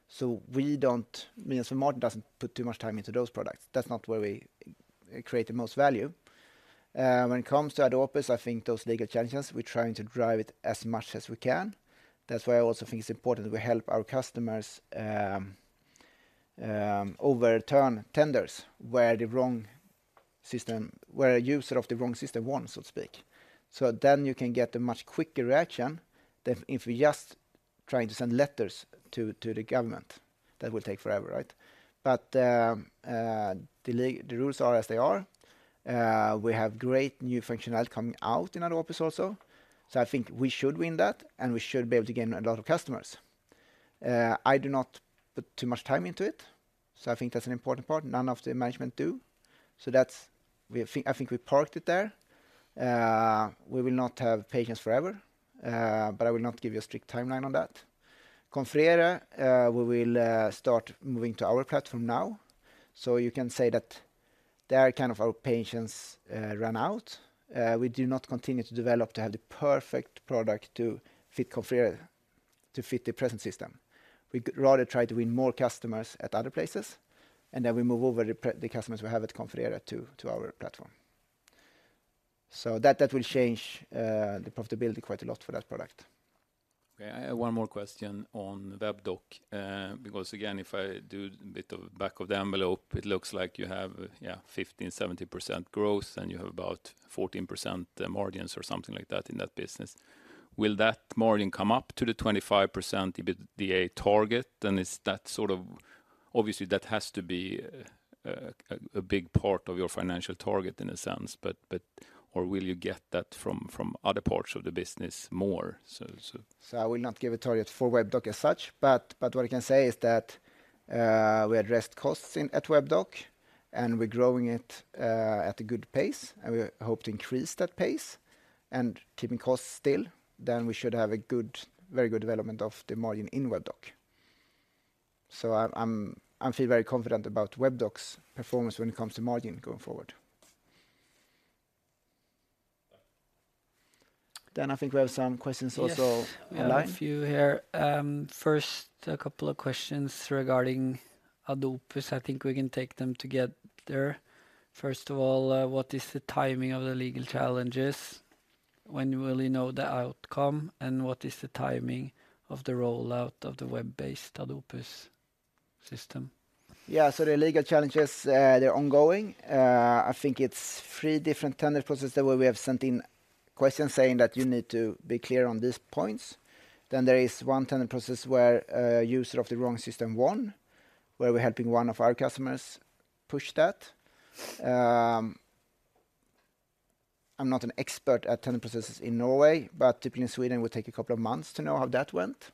So we don't, me and Martin doesn't put too much time into those products. That's not where we create the most value. When it comes to AdOpus, I think those legal challenges, we're trying to drive it as much as we can. That's why I also think it's important that we help our customers overturn tenders where the wrong system, where a user of the wrong system won, so to speak. So then you can get a much quicker reaction than if we're just trying to send letters to the government. That will take forever, right? But, the rules are as they are. We have great new functionality coming out in AdOpus also. So I think we should win that, and we should be able to gain a lot of customers. I do not put too much time into it, so I think that's an important part. None of the management do. So that's... We, I think, we parked it there. We will not have patience forever, but I will not give you a strict timeline on that. Confrere, we will start moving to our platform now. So you can say that there, kind of our patience ran out. We do not continue to develop to have the perfect product to fit Confrere, to fit the present system. We'd rather try to win more customers at other places, and then we move over the customers we have at Confrere to our platform. So that will change the profitability quite a lot for that product. Okay, I have one more question on Webdoc. Because, again, if I do a bit of back-of-the-envelope, it looks like you have, yeah, 15-70% growth, and you have about 14%, margins or something like that in that business. Will that margin come up to the 25%, the EBITDA target? And is that sort of - obviously, that has to be a big part of your financial target in a sense, but... Or will you get that from other parts of the business more? So I will not give a target for Webdoc as such, but, but what I can say is that, we addressed costs in, at Webdoc, and we're growing it, at a good pace, and we hope to increase that pace. And keeping costs still, then we should have a good, very good development of the margin in Webdoc. So I'm, I'm, I feel very confident about Webdoc's performance when it comes to margin going forward. Thank you. I think we have some questions also online. Yes, we have a few here. First, a couple of questions regarding AdOpus. I think we can take them together. First of all, what is the timing of the legal challenges? When will you know the outcome, and what is the timing of the rollout of the web-based AdOpus system? Yeah, so the legal challenges, they're ongoing. I think it's three different tender processes where we have sent in questions saying that you need to be clear on these points. Then there is one tender process where a user of the wrong system won, where we're helping one of our customers push that. I'm not an expert at tender processes in Norway, but typically in Sweden, it will take a couple of months to know how that went.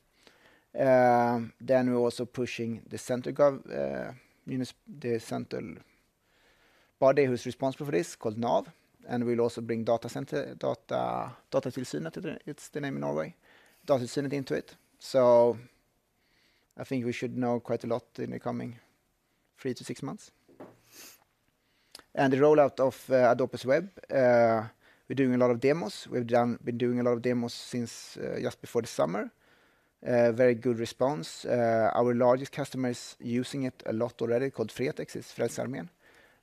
Then we're also pushing the central government, the central body who's responsible for this, called NAV, and we'll also bring Datatilsynet, it's the name in Norway, into it. So I think we should know quite a lot in the coming three to six months... And the rollout of AdOpus Web, we're doing a lot of demos. We've been doing a lot of demos since just before the summer. Very good response. Our largest customer is using it a lot already, called Fretex, it's Frelsesarmeen,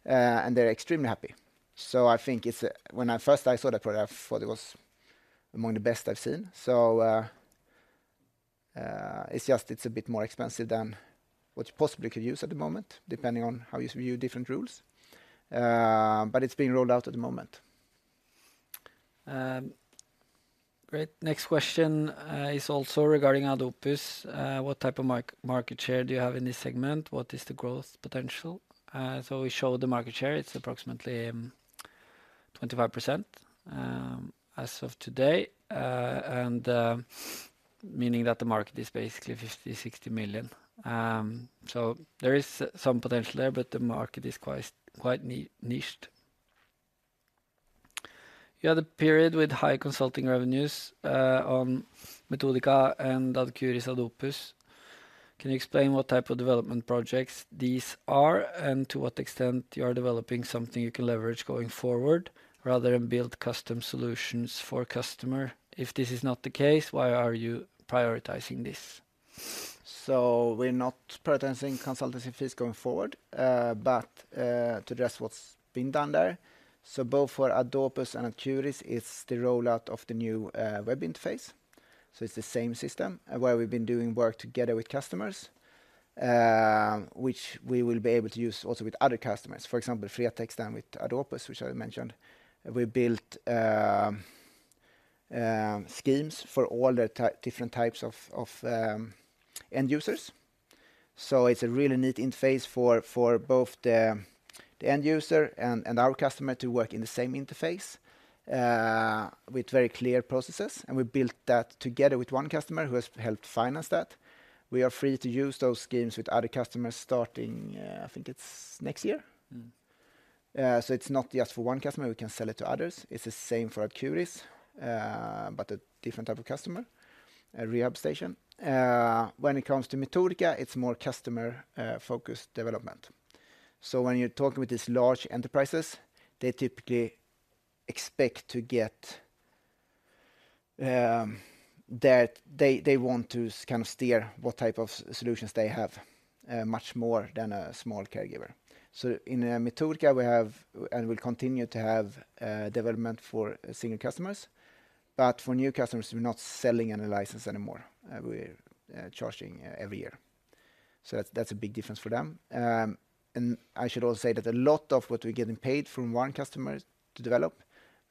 and they're extremely happy. So I think when I first saw the product, I thought it was among the best I've seen. So, it's just, it's a bit more expensive than what you possibly could use at the moment, depending on how you view different rules. But it's being rolled out at the moment. Great. Next question is also regarding AdOpus. What type of market share do you have in this segment? What is the growth potential? So we show the market share, it's approximately 25%, as of today. And meaning that the market is basically 50-60 million. So there is some potential there, but the market is quite niched. You had a period with high consulting revenues on Metodika and AdCuris, AdOpus. Can you explain what type of development projects these are, and to what extent you are developing something you can leverage going forward, rather than build custom solutions for a customer? If this is not the case, why are you prioritizing this? So we're not prioritizing consultancy fees going forward, but to address what's been done there. So both for AdOpus and AdCuris, it's the rollout of the new web interface. So it's the same system where we've been doing work together with customers, which we will be able to use also with other customers. For example, Fretex, then with AdOpus, which I mentioned. We built schemes for all the different types of end users. So it's a really neat interface for both the end user and our customer to work in the same interface with very clear processes, and we built that together with one customer who has helped finance that. We are free to use those schemes with other customers starting, I think it's next year. Mm-hmm. So it's not just for one customer, we can sell it to others. It's the same for AdCuris, but a different type of customer, a rehab station. When it comes to Metodika, it's more customer-focused development. So when you're talking with these large enterprises, they typically expect to get they want to kind of steer what type of solutions they have much more than a small caregiver. So in Metodika, we have, and we'll continue to have, development for senior customers, but for new customers, we're not selling any license anymore. We're charging every year. So that's a big difference for them. And I should also say that a lot of what we're getting paid from one customer to develop,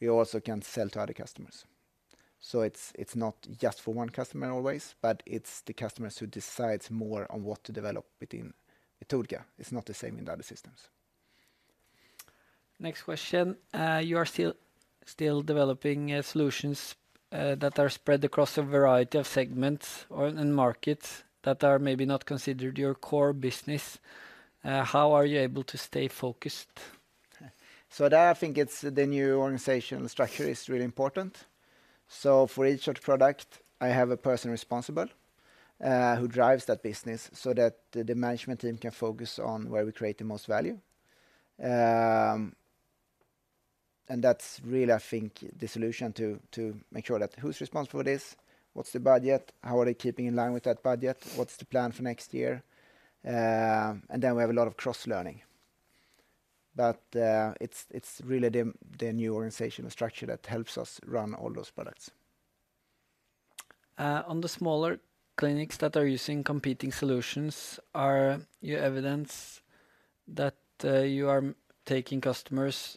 we also can sell to other customers. So it's, it's not just for one customer always, but it's the customers who decides more on what to develop within Metodika. It's not the same in the other systems. Next question. You are still, still developing solutions that are spread across a variety of segments or, and markets that are maybe not considered your core business. How are you able to stay focused? So, I think it's the new organizational structure is really important. So for each sort of product, I have a person responsible, who drives that business so that the management team can focus on where we create the most value. And that's really, I think, the solution to make sure that who's responsible for this, what's the budget? How are they keeping in line with that budget? What's the plan for next year? And then we have a lot of cross-learning. But it's really the new organizational structure that helps us run all those products. On the smaller clinics that are using competing solutions, are you evidence that you are taking customers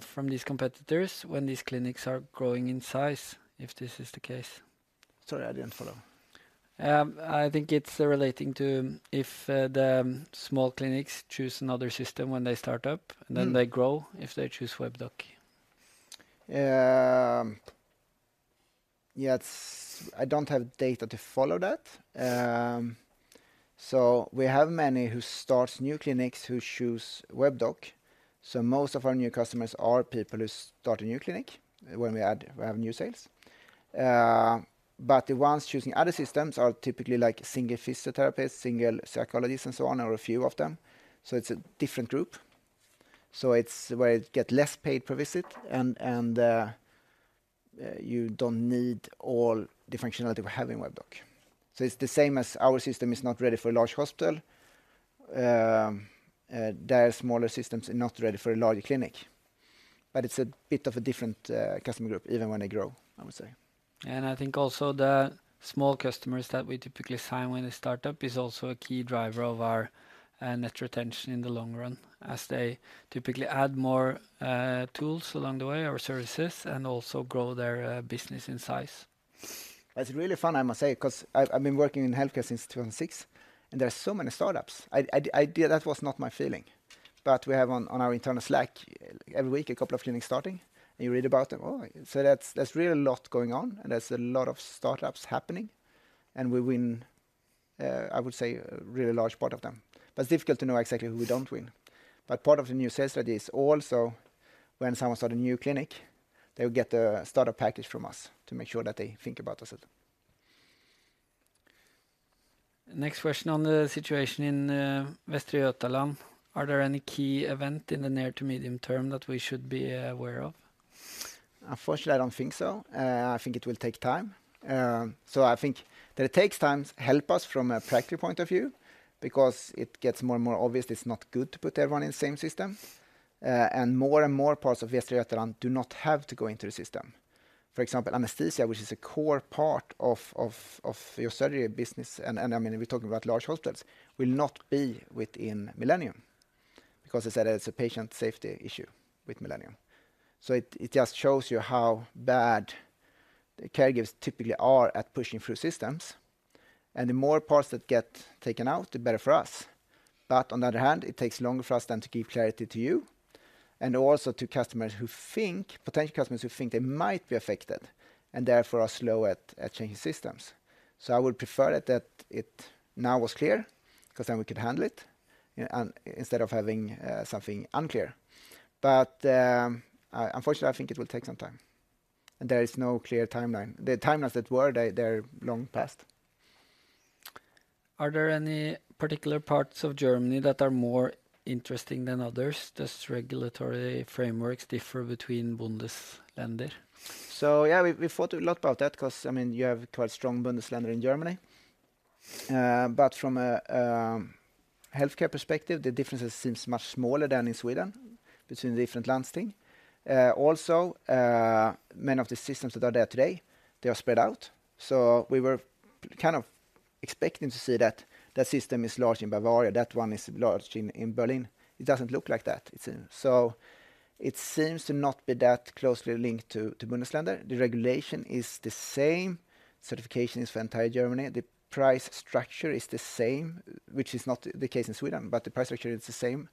from these competitors when these clinics are growing in size, if this is the case? Sorry, I didn't follow. I think it's relating to if the small clinics choose another system when they start up- Mm-hmm. Then they grow, if they choose Webdoc. Yes, I don't have data to follow that. So we have many who starts new clinics who choose Webdoc, so most of our new customers are people who start a new clinic when we have new sales. But the ones choosing other systems are typically like single physiotherapists, single psychologists, and so on, or a few of them. So it's a different group. So it's where you get less paid per visit, and you don't need all the functionality we have in Webdoc. So it's the same as our system is not ready for a large hospital. Their smaller systems are not ready for a larger clinic. But it's a bit of a different customer group, even when they grow, I would say. And I think also the small customers that we typically sign when they start up is also a key driver of our net retention in the long run, as they typically add more tools along the way, or services, and also grow their business in size. That's really fun, I must say, 'cause I've been working in healthcare since 2006, and there are so many startups. That was not my feeling. But we have on our internal Slack, every week, a couple of clinics starting, and you read about them. Oh, so that's, there's really a lot going on, and there's a lot of startups happening, and we win, I would say, a really large part of them. But it's difficult to know exactly who we don't win. But part of the new sales strategy is also when someone start a new clinic, they'll get a starter package from us to make sure that they think about us as well.... Next question on the situation in Västra Götaland. Are there any key event in the near to medium term that we should be aware of? Unfortunately, I don't think so. I think it will take time. So I think that it takes time to help us from a practical point of view, because it gets more and more obvious it's not good to put everyone in the same system. And more and more parts of Västra Götaland do not have to go into the system. For example, anesthesia, which is a core part of your surgery business, and I mean, we're talking about large hospitals, will not be within Millennium, because they said that it's a patient safety issue with Millennium. So it just shows you how bad the caregivers typically are at pushing through systems, and the more parts that get taken out, the better for us. But on the other hand, it takes longer for us then to give clarity to you and also to customers who think, potential customers who think they might be affected, and therefore are slow at changing systems. So I would prefer it that it now was clear, 'cause then we could handle it, and instead of having something unclear. But, unfortunately, I think it will take some time, and there is no clear timeline. The timelines that were, they, they're long past. Are there any particular parts of Germany that are more interesting than others? Does regulatory frameworks differ between Bundesländer? So, yeah, we thought a lot about that 'cause, I mean, you have quite strong Bundesländer in Germany. But from a healthcare perspective, the differences seems much smaller than in Sweden between the different landsting. Also, many of the systems that are there today, they are spread out. So we were kind of expecting to see that system is large in Bavaria, that one is large in Berlin. It doesn't look like that, it seems. So it seems to not be that closely linked to Bundesländer. The regulation is the same, certification is for entire Germany. The price structure is the same, which is not the case in Sweden, but the price structure is the same,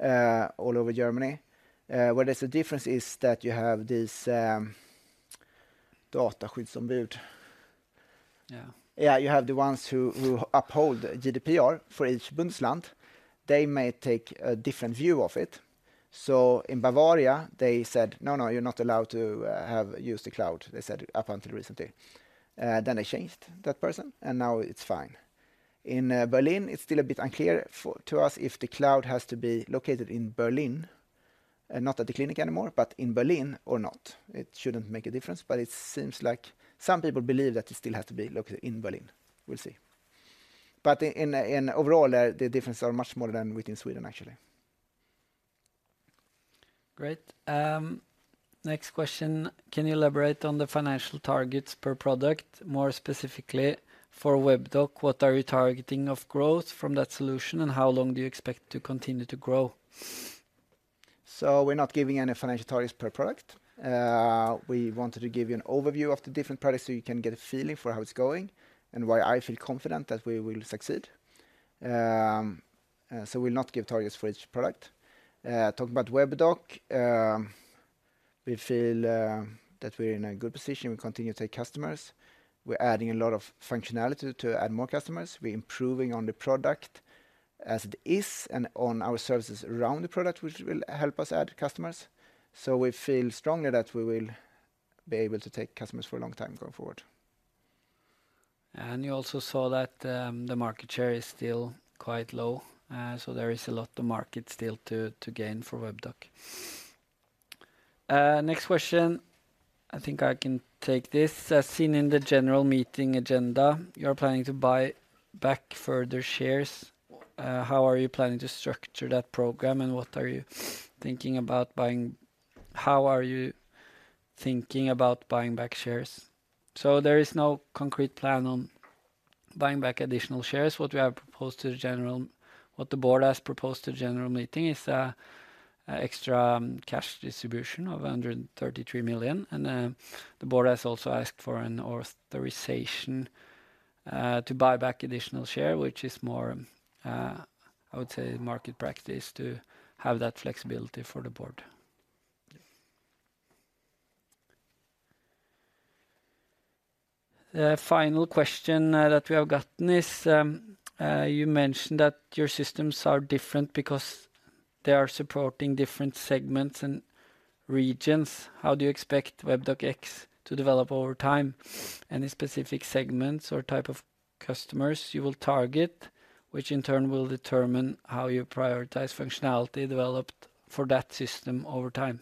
all over Germany. Where there's a difference is that you have this, Yeah. Yeah, you have the ones who uphold GDPR for each Bundesland. They may take a different view of it. So in Bavaria, they said: "No, no, you're not allowed to use the cloud," they said up until recently. Then they changed that person, and now it's fine. In Berlin, it's still a bit unclear to us if the cloud has to be located in Berlin, and not at the clinic anymore, but in Berlin or not. It shouldn't make a difference, but it seems like some people believe that it still has to be located in Berlin. We'll see. But in overall, the differences are much smaller than within Sweden, actually. Great. Next question: Can you elaborate on the financial targets per product, more specifically for Webdoc? What are you targeting of growth from that solution, and how long do you expect to continue to grow? So we're not giving any financial targets per product. We wanted to give you an overview of the different products, so you can get a feeling for how it's going and why I feel confident that we will succeed. So we'll not give targets for each product. Talk about Webdoc, we feel that we're in a good position. We continue to take customers. We're adding a lot of functionality to add more customers. We're improving on the product as it is and on our services around the product, which will help us add customers. So we feel strongly that we will be able to take customers for a long time going forward. You also saw that, the market share is still quite low, so there is a lot of market still to, to gain for Webdoc. Next question, I think I can take this. As seen in the general meeting agenda, you're planning to buy back further shares. How are you planning to structure that program, and what are you thinking about buying-- How are you thinking about buying back shares? There is no concrete plan on buying back additional shares. What we have proposed to the general-- What the board has proposed to the general meeting is a, a extra, cash distribution of 133 million, and, the board has also asked for an authorization, to buy back additional share, which is more, I would say, market practice to have that flexibility for the board. Yeah. The final question that we have gotten is: You mentioned that your systems are different because they are supporting different segments and regions. How do you expect Webdoc X to develop over time? Any specific segments or type of customers you will target, which in turn will determine how you prioritize functionality developed for that system over time?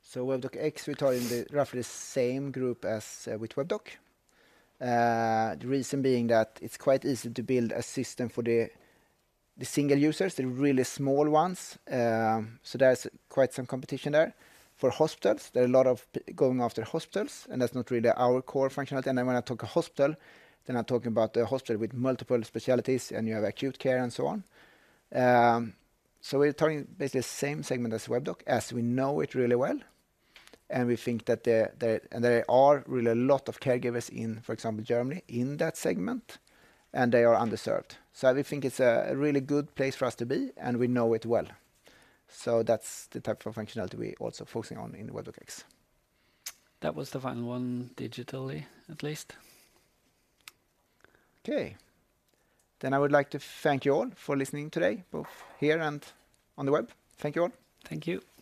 So Webdoc X, we target roughly the same group as with Webdoc. The reason being that it's quite easy to build a system for the single users, the really small ones. So there's quite some competition there. For hospitals, there are a lot of people going after hospitals, and that's not really our core functionality. And then when I talk a hospital, then I'm talking about a hospital with multiple specialties, and you have acute care and so on. So we're targeting basically the same segment as Webdoc, as we know it really well, and we think that. And there are really a lot of caregivers in, for example, Germany, in that segment, and they are underserved. So we think it's a really good place for us to be, and we know it well. So that's the type of functionality we're also focusing on in Webdoc X. That was the final one, digitally, at least. Okay. I would like to thank you all for listening today, both here and on the web. Thank you, all. Thank you.